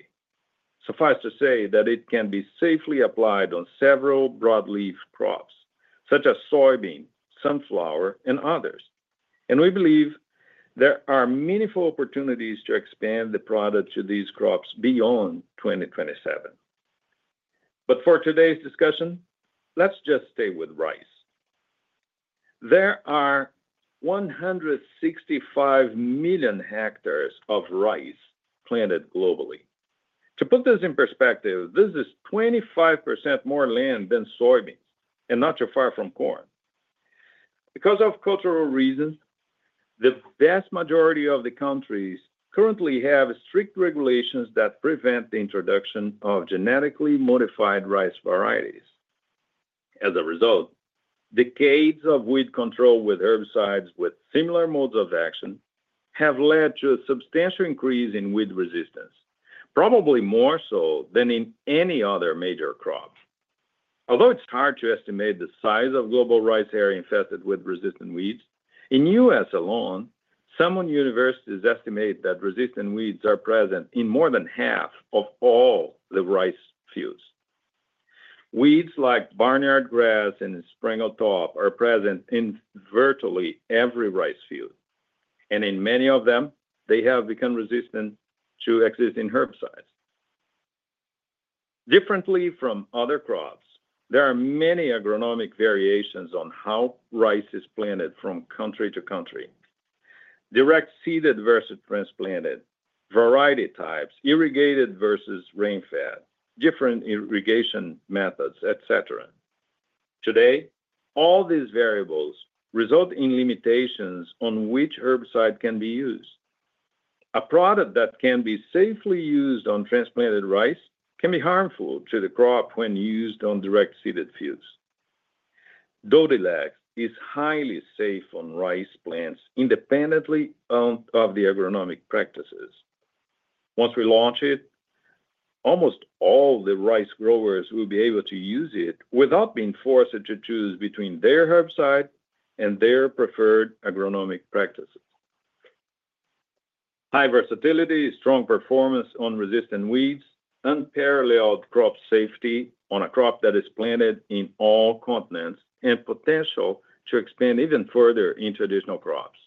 Suffice to say that it can be safely applied on several broadleaf crops such as soybean, sunflower, and others. And we believe there are meaningful opportunities to expand the product to these crops beyond 2027. But for today's discussion, let's just stay with rice. There are 165 million hectares of rice planted globally. To put this in perspective, this is 25% more land than soybeans and not too far from corn. Because of cultural reasons, the vast majority of the countries currently have strict regulations that prevent the introduction of genetically modified rice varieties. As a result, decades of weed control with herbicides with similar modes of action have led to a substantial increase in weed resistance, probably more so than in any other major crop. Although it's hard to estimate the size of global rice area infested with resistant weeds, in the U.S. alone, some universities estimate that resistant weeds are present in more than half of all the rice fields. Weeds like barnyard grass and sprangletop are present in virtually every rice field, and in many of them, they have become resistant to existing herbicides. Differently from other crops, there are many agronomic variations on how rice is planted from country to country. Direct seeded versus transplanted, variety types, irrigated versus rain-fed, different irrigation methods, etc. Today, all these variables result in limitations on which herbicide can be used. A product that can be safely used on transplanted rice can be harmful to the crop when used on direct seeded fields. Dodhylex is highly safe on rice plants independently of the agronomic practices. Once we launch it, almost all the rice growers will be able to use it without being forced to choose between their herbicide and their preferred agronomic practices. High versatility, strong performance on resistant weeds, unparalleled crop safety on a crop that is planted in all continents, and potential to expand even further in traditional crops.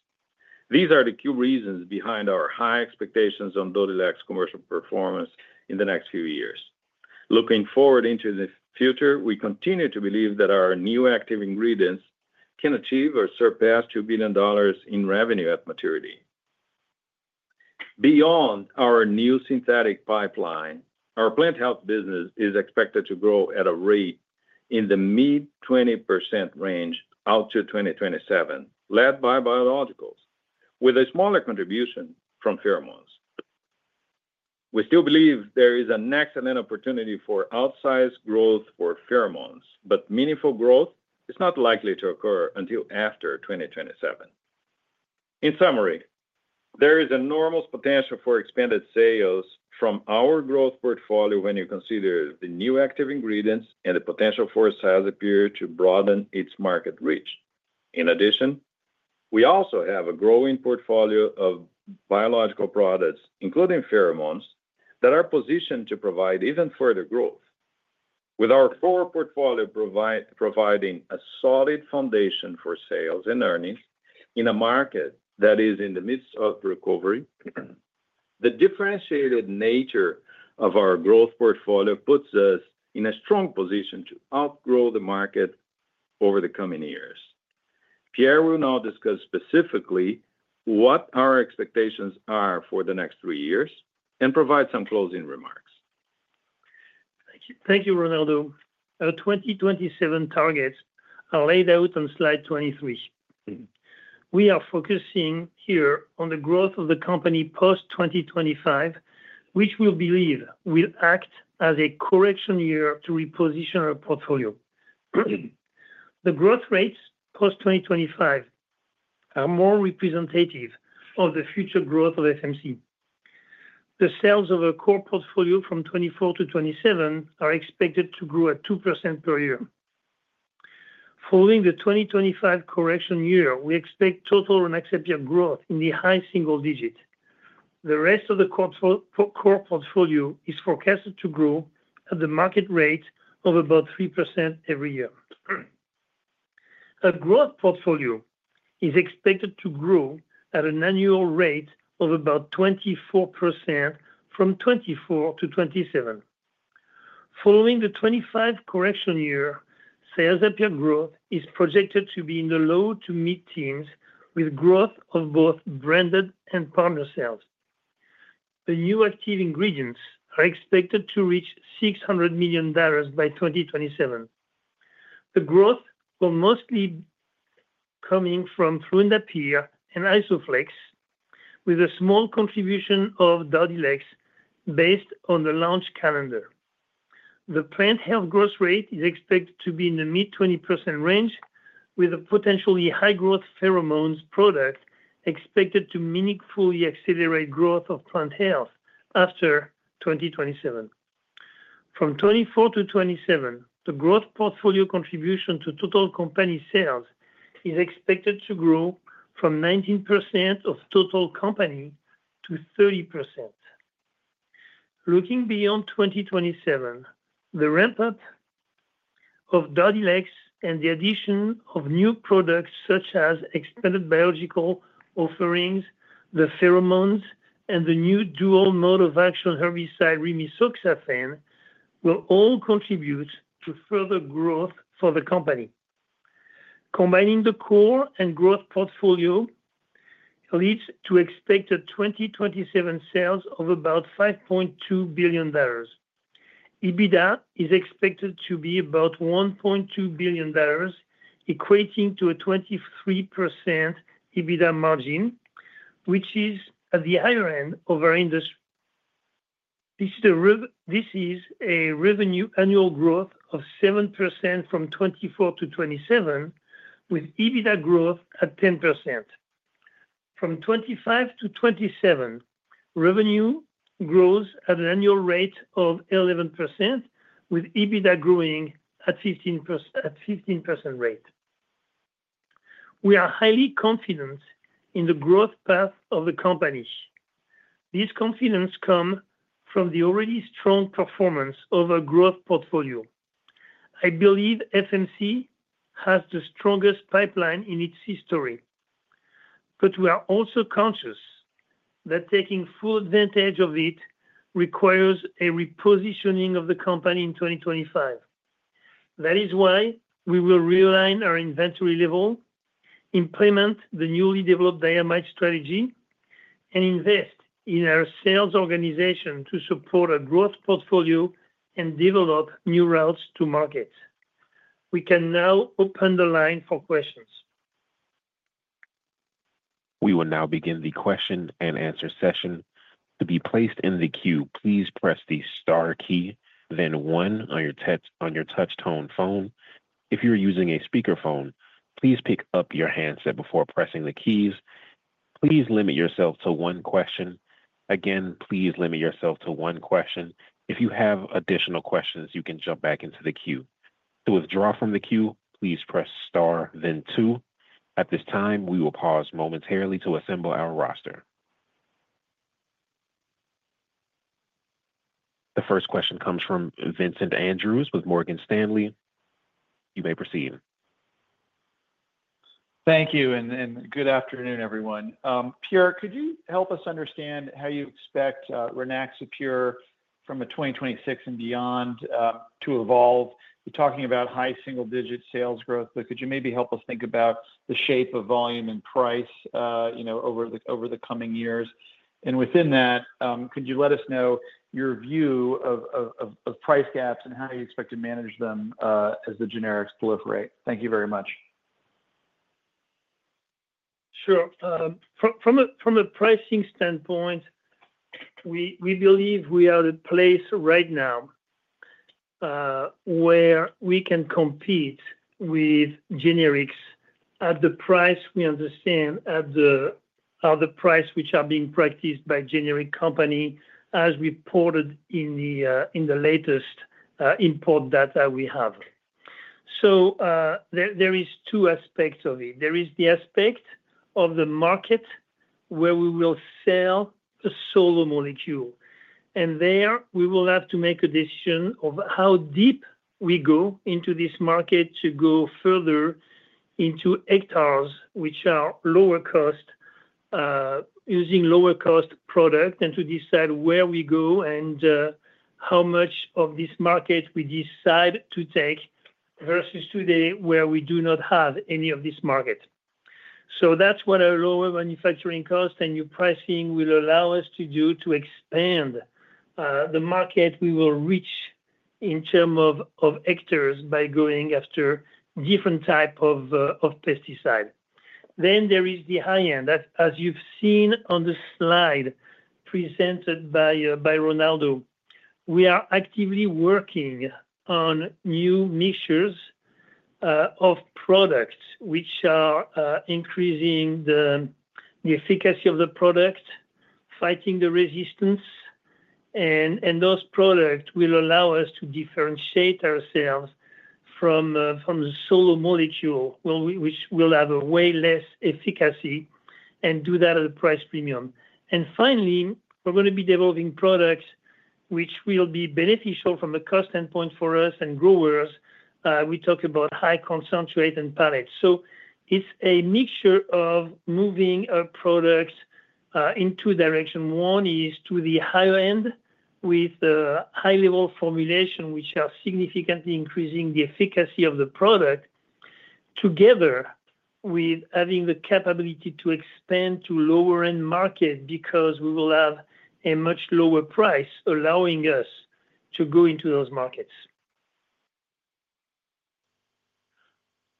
These are the key reasons behind our high expectations on Dodhylex commercial performance in the next few years. Looking forward into the future, we continue to believe that our new active ingredients can achieve or surpass $2 billion in revenue at maturity. Beyond our new synthetic pipeline, our Plant Health business is expected to grow at a rate in the mid-20% range out to 2027, led by biologicals, with a smaller contribution from pheromones. We still believe there is an excellent opportunity for outsized growth for pheromones, but meaningful growth is not likely to occur until after 2027. In summary, there is enormous potential for expanded sales from our growth portfolio when you consider the new active ingredients and the potential for fluindapyr to broaden its market reach. In addition, we also have a growing portfolio of biological products, including pheromones, that are positioned to provide even further growth. With our core portfolio providing a solid foundation for sales and earnings in a market that is in the midst of recovery, the differentiated nature of our growth portfolio puts us in a strong position to outgrow the market over the coming years. Pierre will now discuss specifically what our expectations are for the next three years and provide some closing remarks. Thank you, Ronaldo. Our 2027 targets are laid out on slide 23. We are focusing here on the growth of the company post-2025, which we believe will act as a correction year to reposition our portfolio. The growth rates post-2025 are more representative of the future growth of FMC. The sales of our core portfolio from 24-27 are expected to grow at 2% per year. Following the 2025 correction year, we expect total and adjusted growth in the high single digits. The rest of the core portfolio is forecasted to grow at the market rate of about 3% every year. Our growth portfolio is expected to grow at an annual rate of about 24% from 24-27. Following the 2025 correction year, Cyazypyr growth is projected to be in the low to mid-teens with growth of both branded and partner sales. The new active ingredients are expected to reach $600 million by 2027. The growth will mostly come from fluindapyr and Isoflex, with a small contribution of Dodhylex based on the launch calendar. The Plant Health growth rate is expected to be in the mid-20% range, with a potentially high-growth pheromones product expected to meaningfully accelerate growth of Plant Health after 2027. From 2024 to 2027, the growth portfolio contribution to total company sales is expected to grow from 19% of total company to 30%. Looking beyond 2027, the ramp-up of Dodhylex and the addition of new products such as expanded biological offerings, the pheromones, and the new dual mode of action herbicide rimisoxafen will all contribute to further growth for the company. Combining the core and growth portfolio leads to expected 2027 sales of about $5.2 billion. EBITDA is expected to be about $1.2 billion, equating to a 23% EBITDA margin, which is at the higher end of our industry. This is a revenue annual growth of 7% from 2024 to 2027, with EBITDA growth at 10%. From 2025 to 2027, revenue grows at an annual rate of 11%, with EBITDA growing at 15% rate. We are highly confident in the growth path of the company. This confidence comes from the already strong performance of our growth portfolio. I believe FMC has the strongest pipeline in its history. But we are also conscious that taking full advantage of it requires a repositioning of the company in 2025. That is why we will realign our inventory level, implement the newly developed dynamic strategy, and invest in our sales organization to support our growth portfolio and develop new routes to markets. We can now open the line for questions. We will now begin the question and answer session. To be placed in the queue, please press the star key, then one on your touch tone phone. If you're using a speakerphone, please pick up your handset before pressing the keys. Please limit yourself to one question. Again, please limit yourself to one question. If you have additional questions, you can jump back into the queue. To withdraw from the queue, please press star, then two. At this time, we will pause momentarily to assemble our roster. The first question comes from Vincent Andrews with Morgan Stanley. You may proceed. Thank you. And good afternoon, everyone. Pierre, could you help us understand how you expect Rynaxypyr from 2026 and beyond to evolve? You're talking about high single-digit sales growth, but could you maybe help us think about the shape of volume and price over the coming years? And within that, could you let us know your view of price gaps and how you expect to manage them as the generics proliferate? Thank you very much. Sure. From a pricing standpoint, we believe we are at a place right now where we can compete with generics at the price we understand are the price which are being practiced by generic company, as reported in the latest import data we have. So there are two aspects of it. There is the aspect of the market where we will sell a solo molecule. There, we will have to make a decision of how deep we go into this market to go further into hectares, which are lower cost, using lower cost product, and to decide where we go and how much of this market we decide to take versus today where we do not have any of this market. That's what our lower manufacturing cost and new pricing will allow us to do to expand the market we will reach in terms of hectares by going after different types of pesticide. There is the high end. As you've seen on the slide presented by Ronaldo, we are actively working on new mixtures of products which are increasing the efficacy of the product, fighting the resistance. Those products will allow us to differentiate ourselves from the solo molecule, which will have a way less efficacy and do that at a price premium. Finally, we're going to be developing products which will be beneficial from a cost standpoint for us and growers. We talk about high concentrate and pellet. So it's a mixture of moving our products in two directions. One is to the higher end with high-level formulation, which are significantly increasing the efficacy of the product, together with having the capability to expand to lower-end markets because we will have a much lower price allowing us to go into those markets.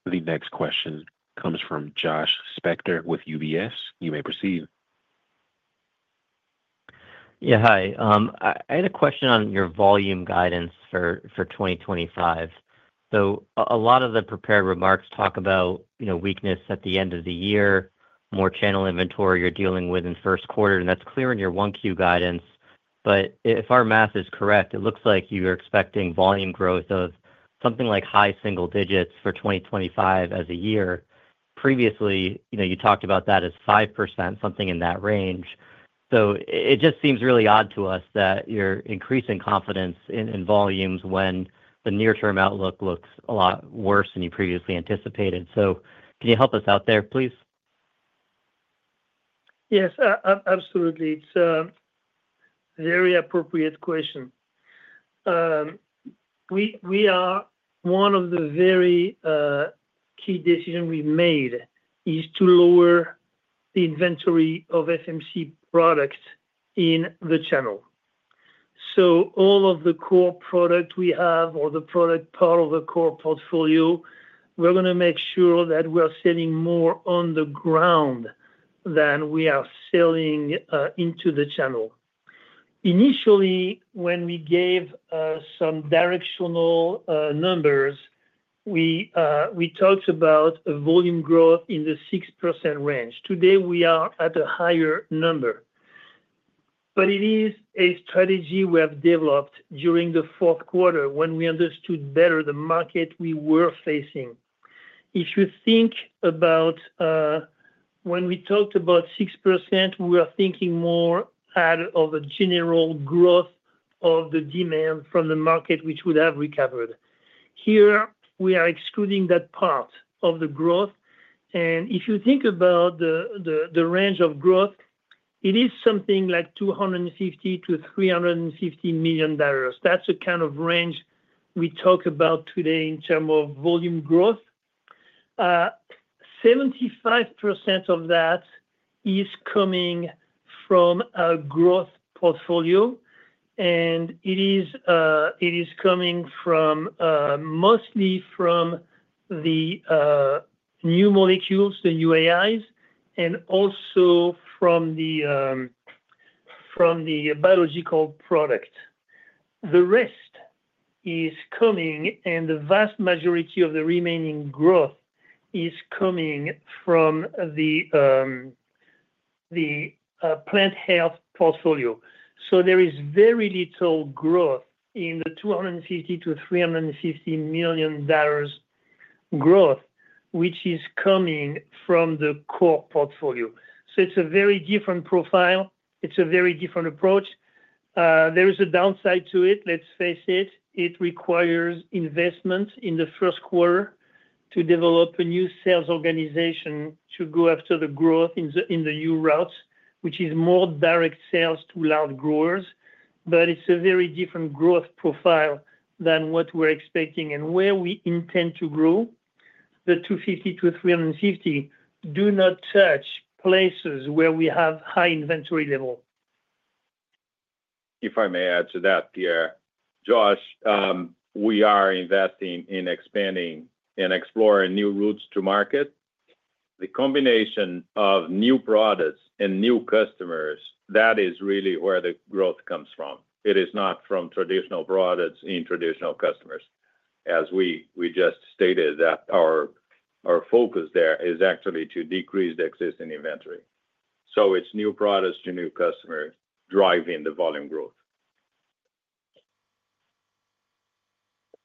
The next question comes from Josh Spector with UBS. You may proceed. Yeah, hi. I had a question on your volume guidance for 2025. So, a lot of the prepared remarks talk about weakness at the end of the year, more channel inventory you're dealing with in first quarter, and that's clear in your 1Q guidance. But if our math is correct, it looks like you're expecting volume growth of something like high single digits for 2025 as a year. Previously, you talked about that as 5%, something in that range. So it just seems really odd to us that you're increasing confidence in volumes when the near-term outlook looks a lot worse than you previously anticipated. So can you help us out there, please? Yes, absolutely. It's a very appropriate question. One of the very key decisions we've made is to lower the inventory of FMC products in the channel. All of the core product we have or the product part of the core portfolio, we're going to make sure that we're selling more on the ground than we are selling into the channel. Initially, when we gave some directional numbers, we talked about volume growth in the 6% range. Today, we are at a higher number. But it is a strategy we have developed during the fourth quarter when we understood better the market we were facing. If you think about when we talked about 6%, we were thinking more of a general growth of the demand from the market, which would have recovered. Here, we are excluding that part of the growth. And if you think about the range of growth, it is something like $250 million-$350 million. That's the kind of range we talk about today in terms of volume growth. 75% of that is coming from our growth portfolio, and it is coming mostly from the new molecules, the AIs, and also from the biological product. The rest is coming, and the vast majority of the remaining growth is coming from the Plant Health portfolio, so there is very little growth in the $250 million -$350 million growth, which is coming from the core portfolio, so it's a very different profile. It's a very different approach. There is a downside to it. Let's face it. It requires investment in the first quarter to develop a new sales organization to go after the growth in the new routes, which is more direct sales to large growers. But it's a very different growth profile than what we're expecting, and where we intend to grow, the $250-$350 do not touch places where we have high inventory level. If I may add to that, Pierre, Josh, we are investing in expanding and exploring new routes to market. The combination of new products and new customers, that is really where the growth comes from. It is not from traditional products in traditional customers. As we just stated, our focus there is actually to decrease the existing inventory. So it's new products to new customers driving the volume growth.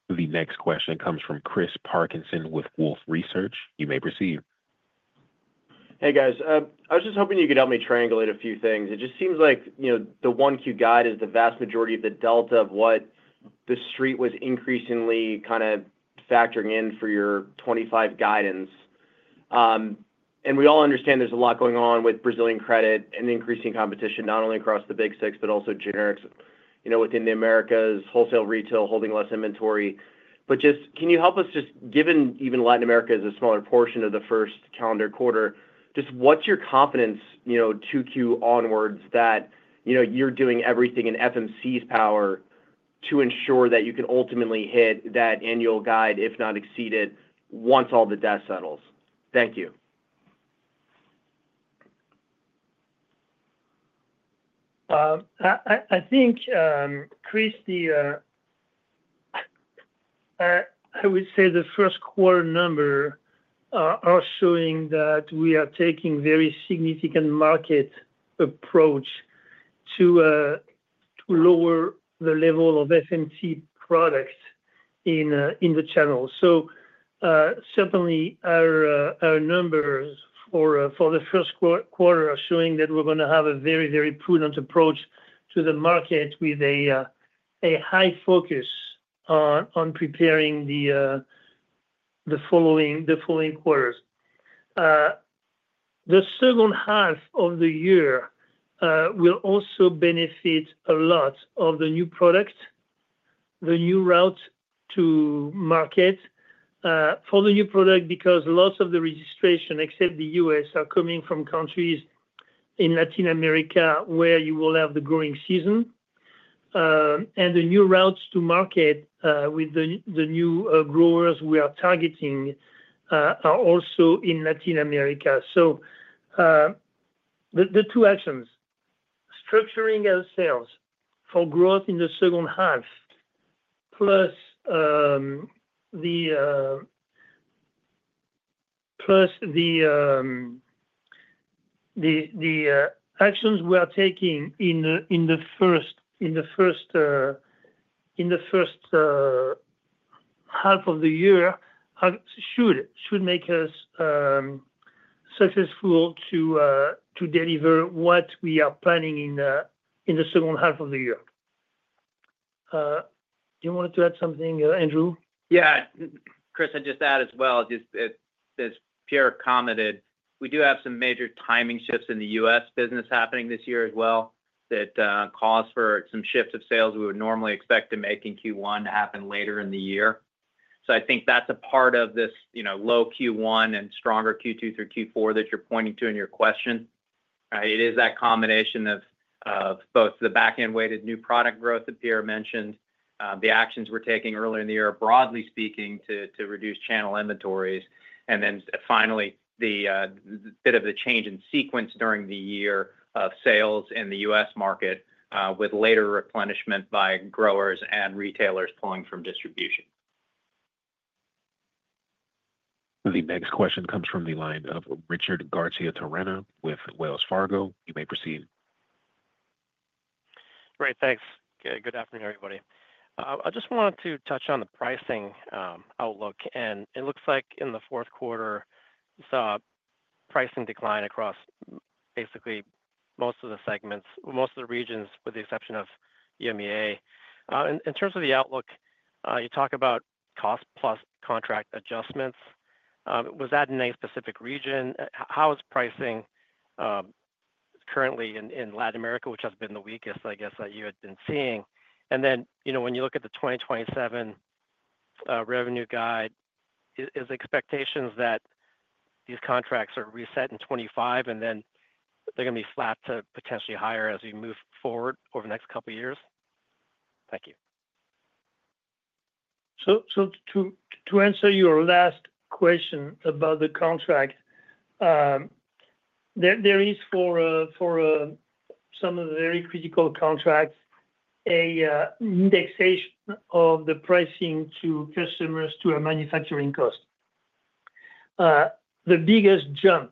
The next question comes from Chris Parkinson with Wolfe Research. You may proceed. Hey, guys. I was just hoping you could help me triangulate a few things. It just seems like the 1Q guide is the vast majority of the delta of what the street was increasingly kind of factoring in for your 2025 guidance. We all understand there's a lot going on with Brazilian credit and increasing competition, not only across the Big Six, but also generics within the Americas, wholesale retail holding less inventory. But just can you help us, just given even Latin America is a smaller portion of the first calendar quarter, just what's your confidence Q2 onwards that you're doing everything in FMC's power to ensure that you can ultimately hit that annual guide, if not exceed it, once all the dust settles? Thank you. I think, Chris, I would say the first quarter number are showing that we are taking a very significant market approach to lower the level of FMC products in the channel. So certainly, our numbers for the first quarter are showing that we're going to have a very, very prudent approach to the market with a high focus on preparing the following quarters. The second half of the year will also benefit a lot of the new product, the new route to market for the new product because lots of the registrations, except the U.S., are coming from countries in Latin America where you will have the growing season, and the new routes to market with the new growers we are targeting are also in Latin America, so the two actions, structuring ourselves for growth in the second half, plus the actions we are taking in the first half of the year should make us successful to deliver what we are planning in the second half of the year. Do you want to add something, Andrew? Yeah. Chris, I'd just add as well, as Pierre commented, we do have some major timing shifts in the U.S. business happening this year as well that calls for some shifts of sales we would normally expect to make in Q1 to happen later in the year. So I think that's a part of this low Q1 and stronger Q2 through Q4 that you're pointing to in your question. It is that combination of both the back-end-weighted new product growth that Pierre mentioned, the actions we're taking earlier in the year, broadly speaking, to reduce channel inventories, and then finally, the bit of the change in sequence during the year of sales in the U.S. market with later replenishment by growers and retailers pulling from distribution. The next question comes from the line of Richard Garchitorena with Wells Fargo. You may proceed. Great. Thanks. Good afternoon, everybody. I just wanted to touch on the pricing outlook, and it looks like in the fourth quarter, you saw pricing decline across basically most of the segments, most of the regions, with the exception of EMEA. In terms of the outlook, you talk about cost-plus contract adjustments. Was that in any specific region? How is pricing currently in Latin America, which has been the weakest, I guess, that you had been seeing, and then when you look at the 2027 revenue guide, is the expectation that these contracts are reset in 2025, and then they're going to be flat to potentially higher as we move forward over the next couple of years? Thank you, so to answer your last question about the contract, there is, for some of the very critical contracts, an indexation of the pricing to customers to a manufacturing cost. The biggest jump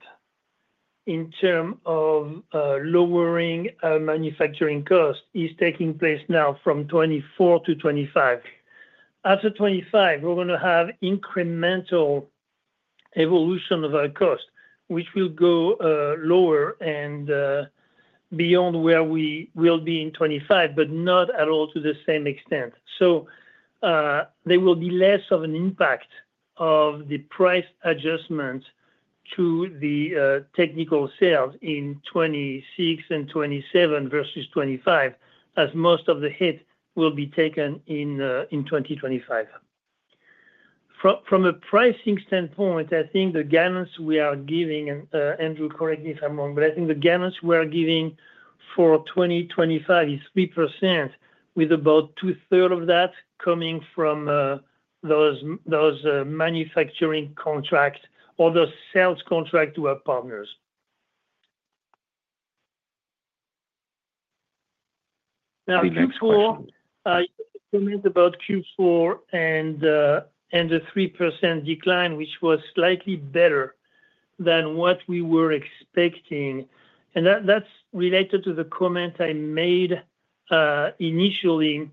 in terms of lowering our manufacturing cost is taking place now from 2024 to 2025. After 2025, we're going to have incremental evolution of our cost, which will go lower and beyond where we will be in 2025, but not at all to the same extent. So there will be less of an impact of the price adjustment to the technical sales in 2026 and 2027 versus 2025, as most of the hit will be taken in 2025. From a pricing standpoint, I think the guidance we are giving, Andrew, correct me if I'm wrong, but I think the guidance we are giving for 2025 is 3%, with about 2/3 of that coming from those manufacturing contracts or those sales contracts to our partners. Now, Q4, you mentioned about Q4 and the 3% decline, which was slightly better than what we were expecting. And that's related to the comment I made initially.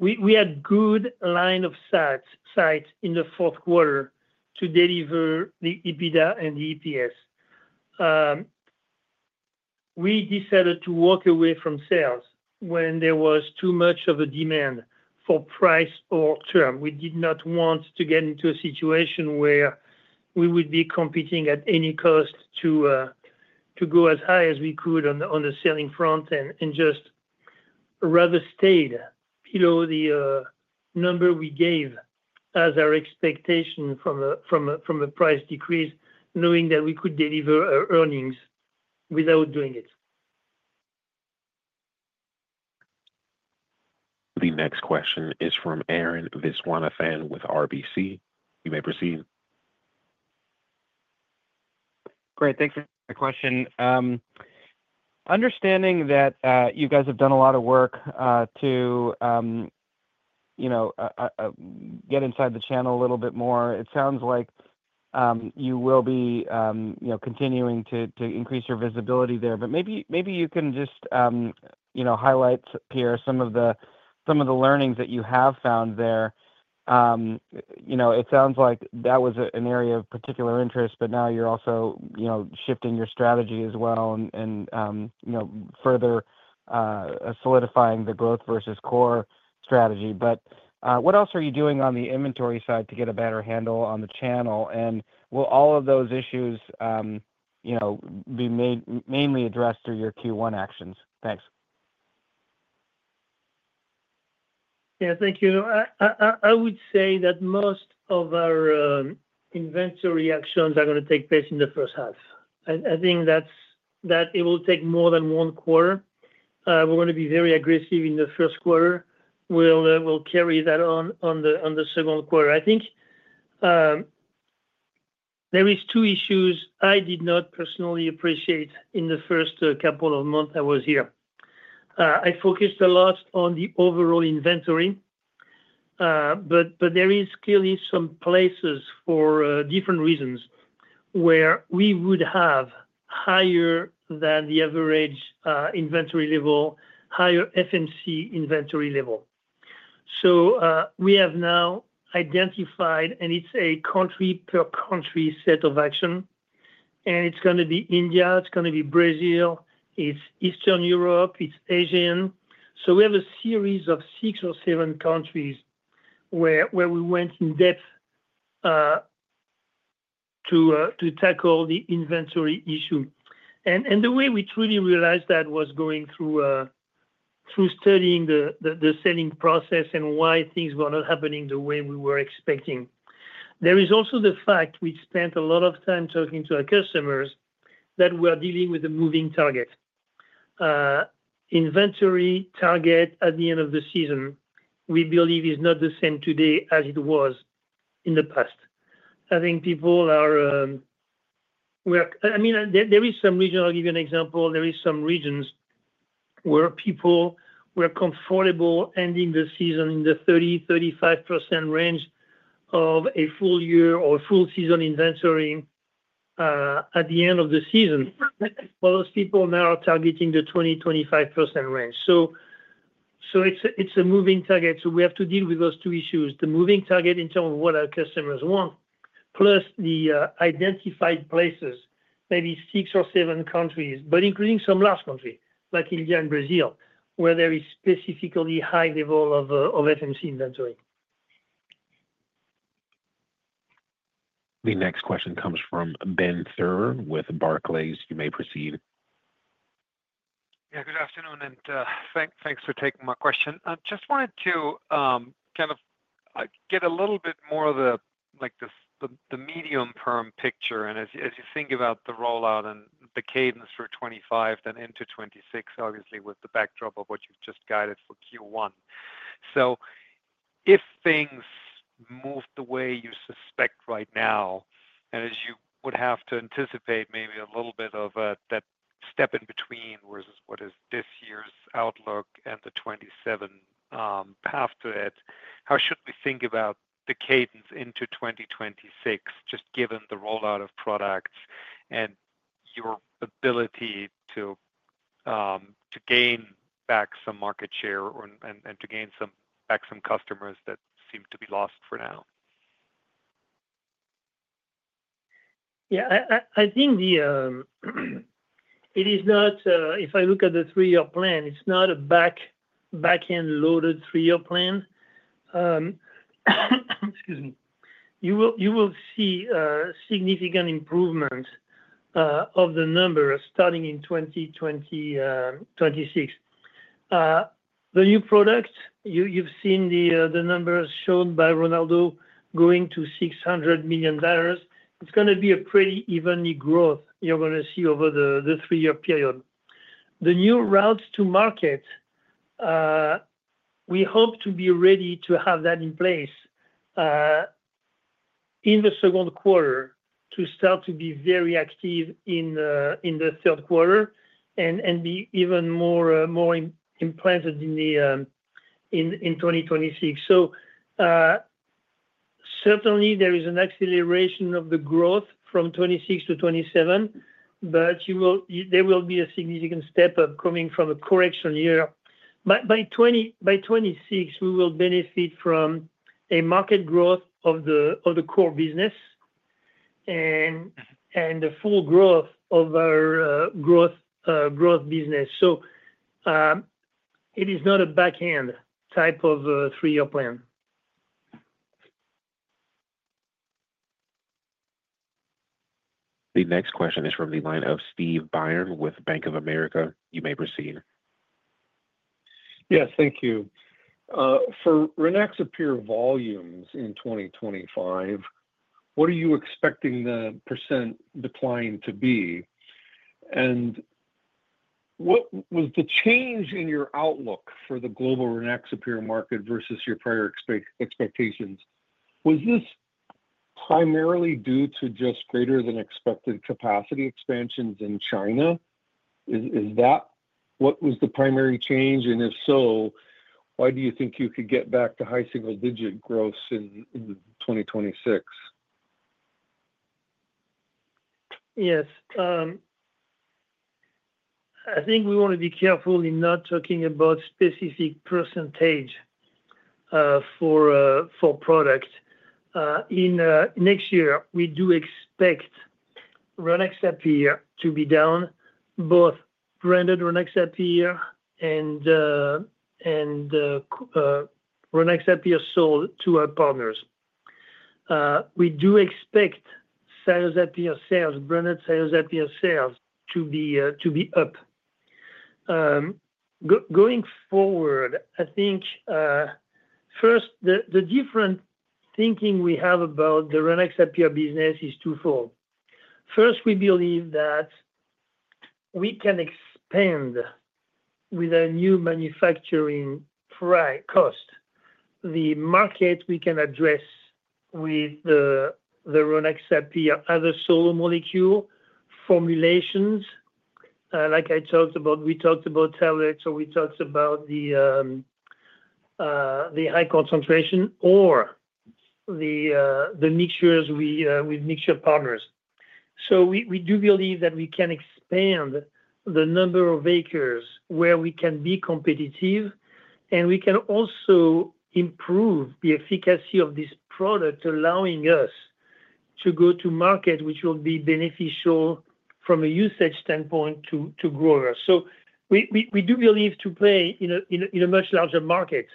We had a good line of sight in the fourth quarter to deliver the EBITDA and the EPS. We decided to walk away from sales when there was too much of a demand for price or term. We did not want to get into a situation where we would be competing at any cost to go as high as we could on the selling front and just rather stay below the number we gave as our expectation from a price decrease, knowing that we could deliver our earnings without doing it. The next question is from Arun Viswanathan with RBC. You may proceed. Great. Thanks for the question. Understanding that you guys have done a lot of work to get inside the channel a little bit more, it sounds like you will be continuing to increase your visibility there. But maybe you can just highlight, Pierre, some of the learnings that you have found there. It sounds like that was an area of particular interest, but now you're also shifting your strategy as well and further solidifying the growth versus core strategy. But what else are you doing on the inventory side to get a better handle on the channel? And will all of those issues be mainly addressed through your Q1 actions? Thanks. Yeah. Thank you. I would say that most of our inventory actions are going to take place in the first half. I think that it will take more than one quarter. We're going to be very aggressive in the first quarter. We'll carry that on the second quarter. I think there are two issues I did not personally appreciate in the first couple of months I was here. I focused a lot on the overall inventory, but there are clearly some places for different reasons where we would have higher than the average inventory level, higher FMC inventory level. We have now identified, and it's a country-per-country set of actions. It's going to be India. It's going to be Brazil. It's Eastern Europe. It's Asia. We have a series of six or seven countries where we went in depth to tackle the inventory issue. The way we truly realized that was going through studying the selling process and why things were not happening the way we were expecting. There is also the fact we spent a lot of time talking to our customers that we are dealing with a moving target. Inventory target at the end of the season, we believe, is not the same today as it was in the past. I think people are. I mean, there are some regions. I'll give you an example. There are some regions where people were comfortable ending the season in the 30%-35% range of a full year or full season inventory at the end of the season. Well, those people now are targeting the 20%-25% range. So it's a moving target. So we have to deal with those two issues: the moving target in terms of what our customers want, plus the identified places, maybe six or seven countries, but including some large countries like India and Brazil, where there is specifically a high level of FMC inventory. The next question comes from Ben Theurer with Barclays. You may proceed. Yeah. Good afternoon, and thanks for taking my question. I just wanted to kind of get a little bit more of the medium-term picture. And as you think about the rollout and the cadence for 2025, then into 2026, obviously, with the backdrop of what you've just guided for Q1. So if things moved the way you suspect right now, and as you would have to anticipate maybe a little bit of that step in between versus what is this year's outlook and the 2027 after it, how should we think about the cadence into 2026, just given the rollout of products and your ability to gain back some market share and to gain back some customers that seem to be lost for now? Yeah. I think it is not. If I look at the three-year plan, it's not a back-end-loaded three-year plan. Excuse me. You will see significant improvements of the numbers starting in 2026. The new products, you've seen the numbers shown by Ronaldo going to $600 million. It's going to be a pretty even growth you're going to see over the three-year period. The new routes to market, we hope to be ready to have that in place in the second quarter to start to be very active in the third quarter and be even more implemented in 2026. So certainly, there is an acceleration of the growth from 2026 to 2027, but there will be a significant step up coming from a correction year. By 2026, we will benefit from a market growth of the core business and the full growth of our growth business. So it is not a back-end type of three-year plan. The next question is from the line of Steve Byrne with Bank of America. You may proceed. Yes. Thank you. For Rynaxypyr volumes in 2025, what are you expecting the percent decline to be? Was the change in your outlook for the global Rynaxypyr market versus your prior expectations primarily due to just greater-than-expected capacity expansions in China? Is that what was the primary change? And if so, why do you think you could get back to high single-digit growth in 2026? Yes. I think we want to be careful in not talking about specific percentage for product. Next year, we do expect Rynaxypyr to be down, both branded Rynaxypyr and Rynaxypyr sold to our partners. We do expect Cyazypyr sales, branded Cyazypyr sales to be up. Going forward, I think first, the different thinking we have about the Rynaxypyr business is twofold. First, we believe that we can expand with a new manufacturing cost. The market we can address with the Rynaxypyr, other similar molecule formulations, like I talked about. We talked about tablets, or we talked about the high concentration or the mixtures with mixture partners. So we do believe that we can expand the number of acres where we can be competitive, and we can also improve the efficacy of this product, allowing us to go to market, which will be beneficial from a usage standpoint to growers. So we do believe to play in a much larger market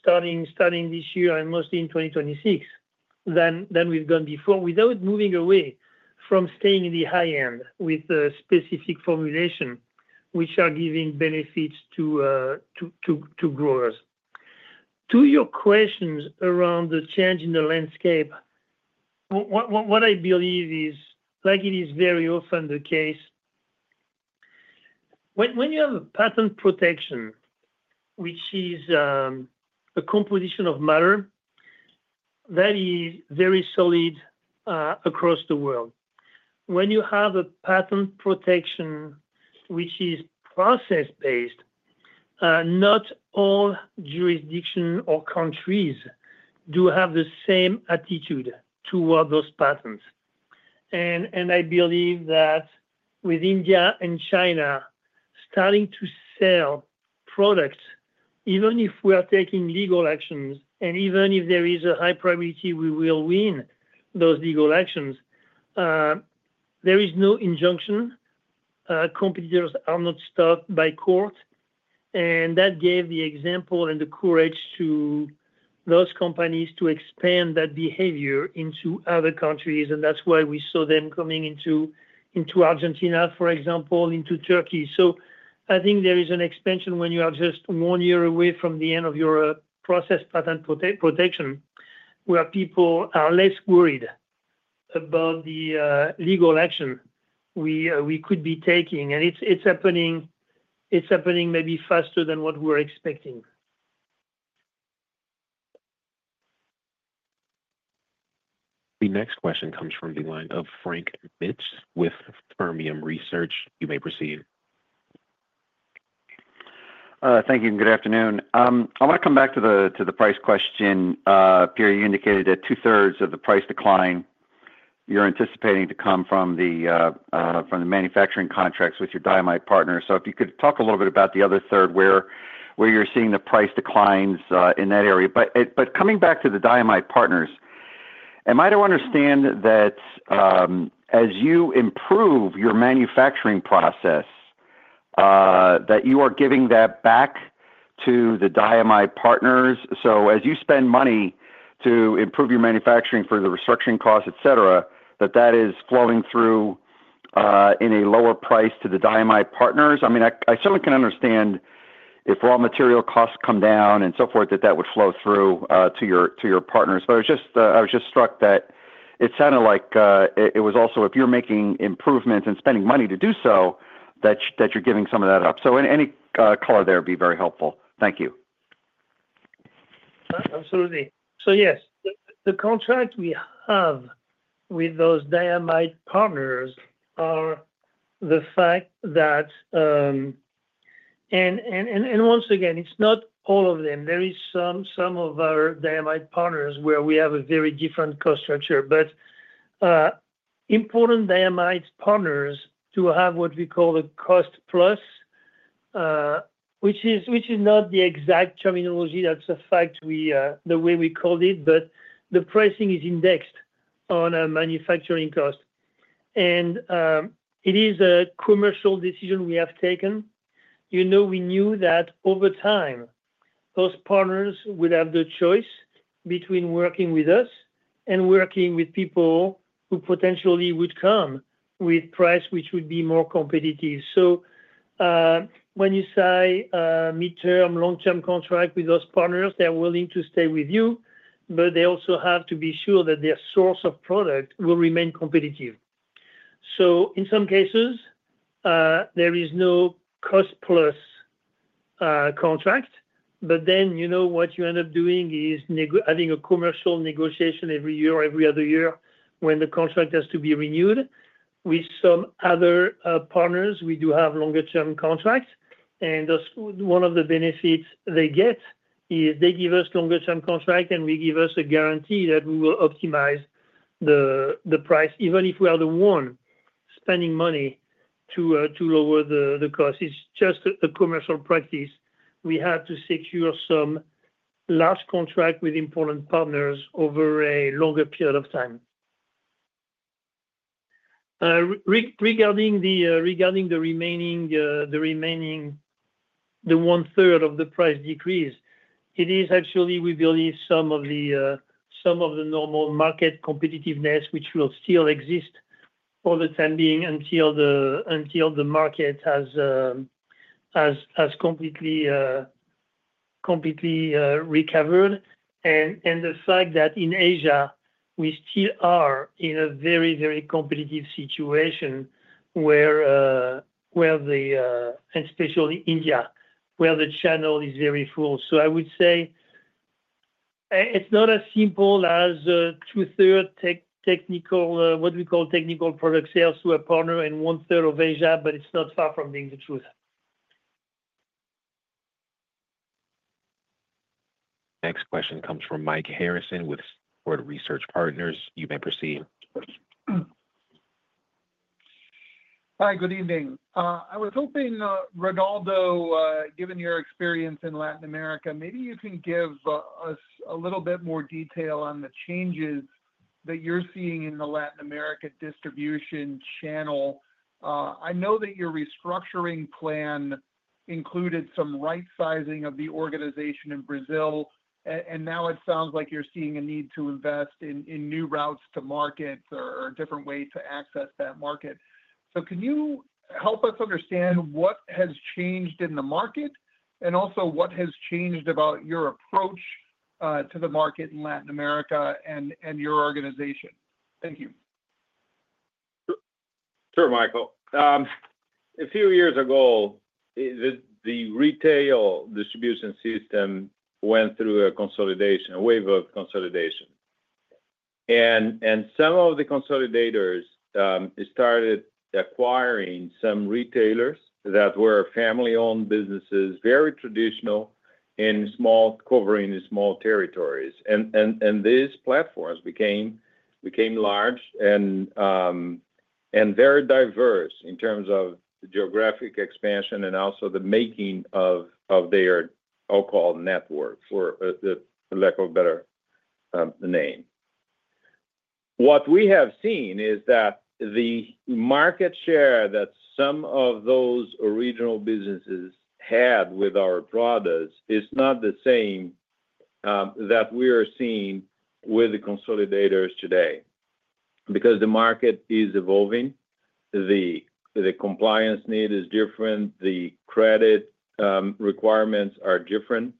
starting this year and mostly in 2026 than we've done before, without moving away from staying in the high end with specific formulation, which are giving benefits to growers. To your questions around the change in the landscape, what I believe is, like it is very often the case, when you have a patent protection, which is a composition of matter that is very solid across the world, when you have a patent protection, which is process-based, not all jurisdictions or countries do have the same attitude toward those patents. And I believe that with India and China starting to sell products, even if we are taking legal actions, and even if there is a high probability we will win those legal actions, there is no injunction. Competitors are not stopped by court. And that gave the example and the courage to those companies to expand that behavior into other countries. And that's why we saw them coming into Argentina, for example, into Turkey. So I think there is an expansion when you are just one year away from the end of your process patent protection, where people are less worried about the legal action we could be taking. And it's happening maybe faster than what we're expecting. The next question comes from the line of Frank Mitsch with Fermium Research. You may proceed. Thank you. And good afternoon. I want to come back to the price question. You indicated that 2/3 of the price decline you're anticipating to come from the manufacturing contracts with your diamide partners. So if you could talk a little bit about the other third, where you're seeing the price declines in that area. But coming back to the diamide partners, am I to understand that as you improve your manufacturing process, that you are giving that back to the diamide partners? So as you spend money to improve your manufacturing for the restructuring cost, etc., that is flowing through in a lower price to the diamide partners? I mean, I certainly can understand if raw material costs come down and so forth, that would flow through to your partners. But I was just struck that it sounded like it was also if you're making improvements and spending money to do so, that you're giving some of that up. So any color there would be very helpful. Thank you. Absolutely. So yes, the contract we have with those diamide partners is the fact that, and once again, it's not all of them. There are some of our diamide partners where we have a very different cost structure. But important diamide partners do have what we call a cost-plus, which is not the exact terminology. That's a fact, the way we called it, but the pricing is indexed on a manufacturing cost, and it is a commercial decision we have taken. We knew that over time, those partners would have the choice between working with us and working with people who potentially would come with price which would be more competitive, so when you say midterm, long-term contract with those partners, they're willing to stay with you, but they also have to be sure that their source of product will remain competitive, so in some cases, there is no cost-plus contract, but then what you end up doing is having a commercial negotiation every year or every other year when the contract has to be renewed. With some other partners, we do have longer-term contracts. And one of the benefits they get is they give us longer-term contract, and we give us a guarantee that we will optimize the price, even if we are the one spending money to lower the cost. It's just a commercial practice. We have to secure some large contract with important partners over a longer period of time. Regarding the remaining 1/3 of the price decrease, it is actually we believe some of the normal market competitiveness, which will still exist for the time being until the market has completely recovered. And the fact that in Asia, we still are in a very, very competitive situation where, and especially India, where the channel is very full. So I would say it's not as simple as 2/3 technical, what we call technical product sales to a partner in 1/3 of Asia, but it's not far from being the truth. Next question comes from Mike Harrison with Seaport Research Partners. You may proceed. Hi. Good evening. I was hoping Ronaldo, given your experience in Latin America, maybe you can give us a little bit more detail on the changes that you're seeing in the Latin America distribution channel. I know that your restructuring plan included some right-sizing of the organization in Brazil. And now it sounds like you're seeing a need to invest in new routes to market or a different way to access that market. So can you help us understand what has changed in the market and also what has changed about your approach to the market in Latin America and your organization? Thank you. Sure, Mike. A few years ago, the retail distribution system went through a wave of consolidation. Some of the consolidators started acquiring some retailers that were family-owned businesses, very traditional, covering small territories. And these platforms became large and very diverse in terms of geographic expansion and also the making of their so-called network, for lack of a better name. What we have seen is that the market share that some of those original businesses had with our products is not the same that we are seeing with the consolidators today because the market is evolving. The compliance need is different. The credit requirements are different.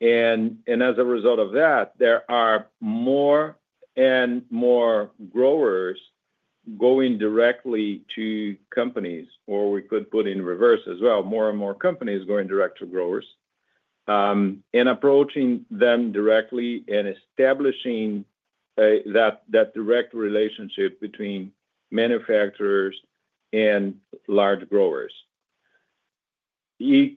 And as a result of that, there are more and more growers going directly to companies, or we could put in reverse as well, more and more companies going direct to growers and approaching them directly and establishing that direct relationship between manufacturers and large growers. You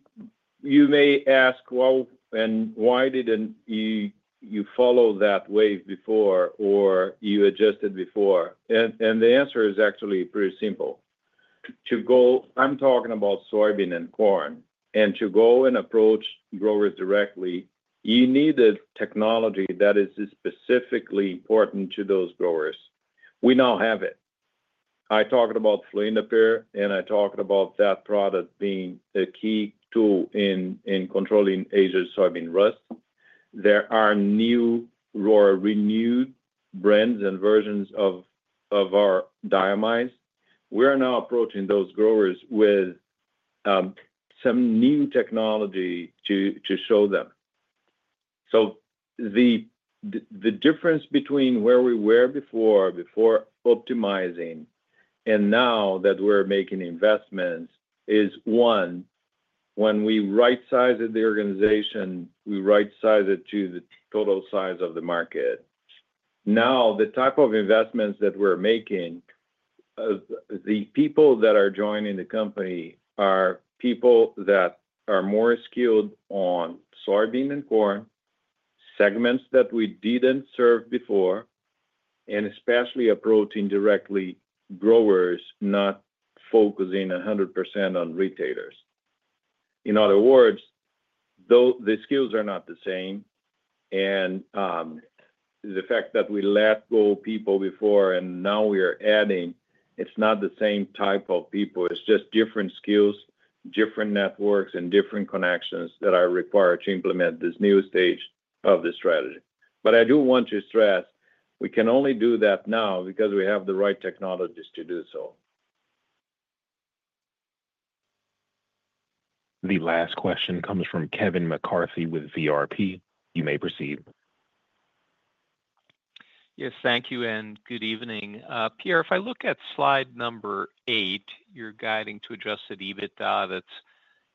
may ask, "Well, and why didn't you follow that wave before or you adjusted before?" And the answer is actually pretty simple. I'm talking about soybean and corn. And to go and approach growers directly, you needed technology that is specifically important to those growers. We now have it. I talked about fluindapyr, and I talked about that product being a key tool in controlling Asian soybean rust. There are new or renewed brands and versions of our diamides. We're now approaching those growers with some new technology to show them. So the difference between where we were before optimizing and now that we're making investments is, one, when we right-size the organization, we right-size it to the total size of the market. Now, the type of investments that we're making, the people that are joining the company are people that are more skilled on soybean and corn, segments that we didn't serve before, and especially approaching directly growers, not focusing 100% on retailers. In other words, though the skills are not the same, and the fact that we let go people before and now we are adding, it's not the same type of people. It's just different skills, different networks, and different connections that are required to implement this new stage of the strategy. But I do want to stress we can only do that now because we have the right technologies to do so. The last question comes from Kevin McCarthy with VRP. You may proceed. Yes. Thank you and good evening. Pierre, if I look at slide number eight, you're guiding to adjusted EBITDA that's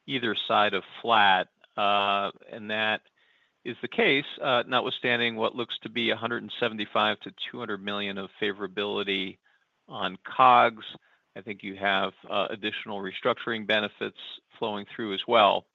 either side of flat. That is the case, notwithstanding what looks to be $175 million-$200 million of favorability on COGS. I think you have additional restructuring benefits flowing through as well.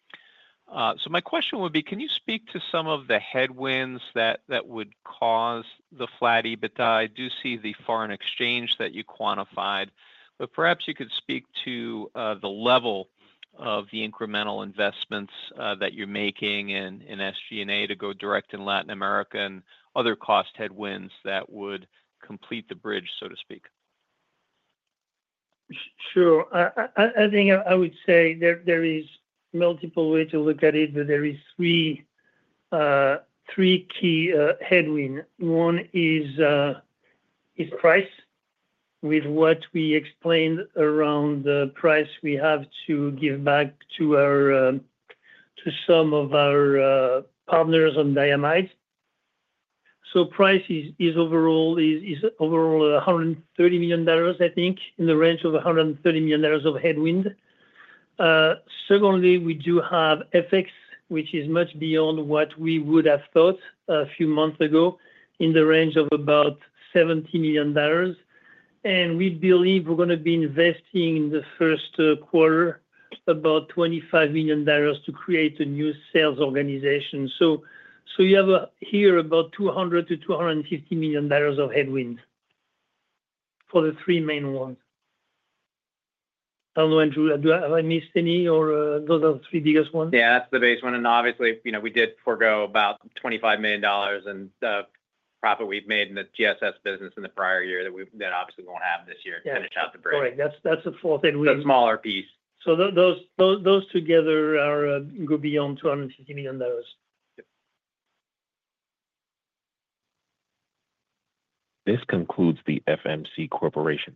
My question would be, can you speak to some of the headwinds that would cause the flat EBITDA? I do see the foreign exchange that you quantified, but perhaps you could speak to the level of the incremental investments that you're making in SG&A to go direct in Latin America and other cost headwinds that would complete the bridge, so to speak. Sure. I think I would say there is multiple ways to look at it, but there are three key headwinds. One is price, with what we explained around the price we have to give back to some of our partners on diamides. Price is overall $130 million, I think, in the range of $130 million of headwind. Secondly, we do have FX, which is much beyond what we would have thought a few months ago, in the range of about $70 million. And we believe we're going to be investing in the first quarter about $25 million to create a new sales organization. So you have here about $200 million-$250 million of headwind for the three main ones. I don't know, Andrew. Have I missed any? Or those are the three biggest ones? Yeah. That's the biggest one. And obviously, we did forgo about $25 million in the profit we've made in the GSS business in the prior year that obviously we won't have this year to finish out the bridge. Correct. That's the fourth headwind. That's a smaller piece. So those together go beyond $250 million. This concludes the FMC Corporation.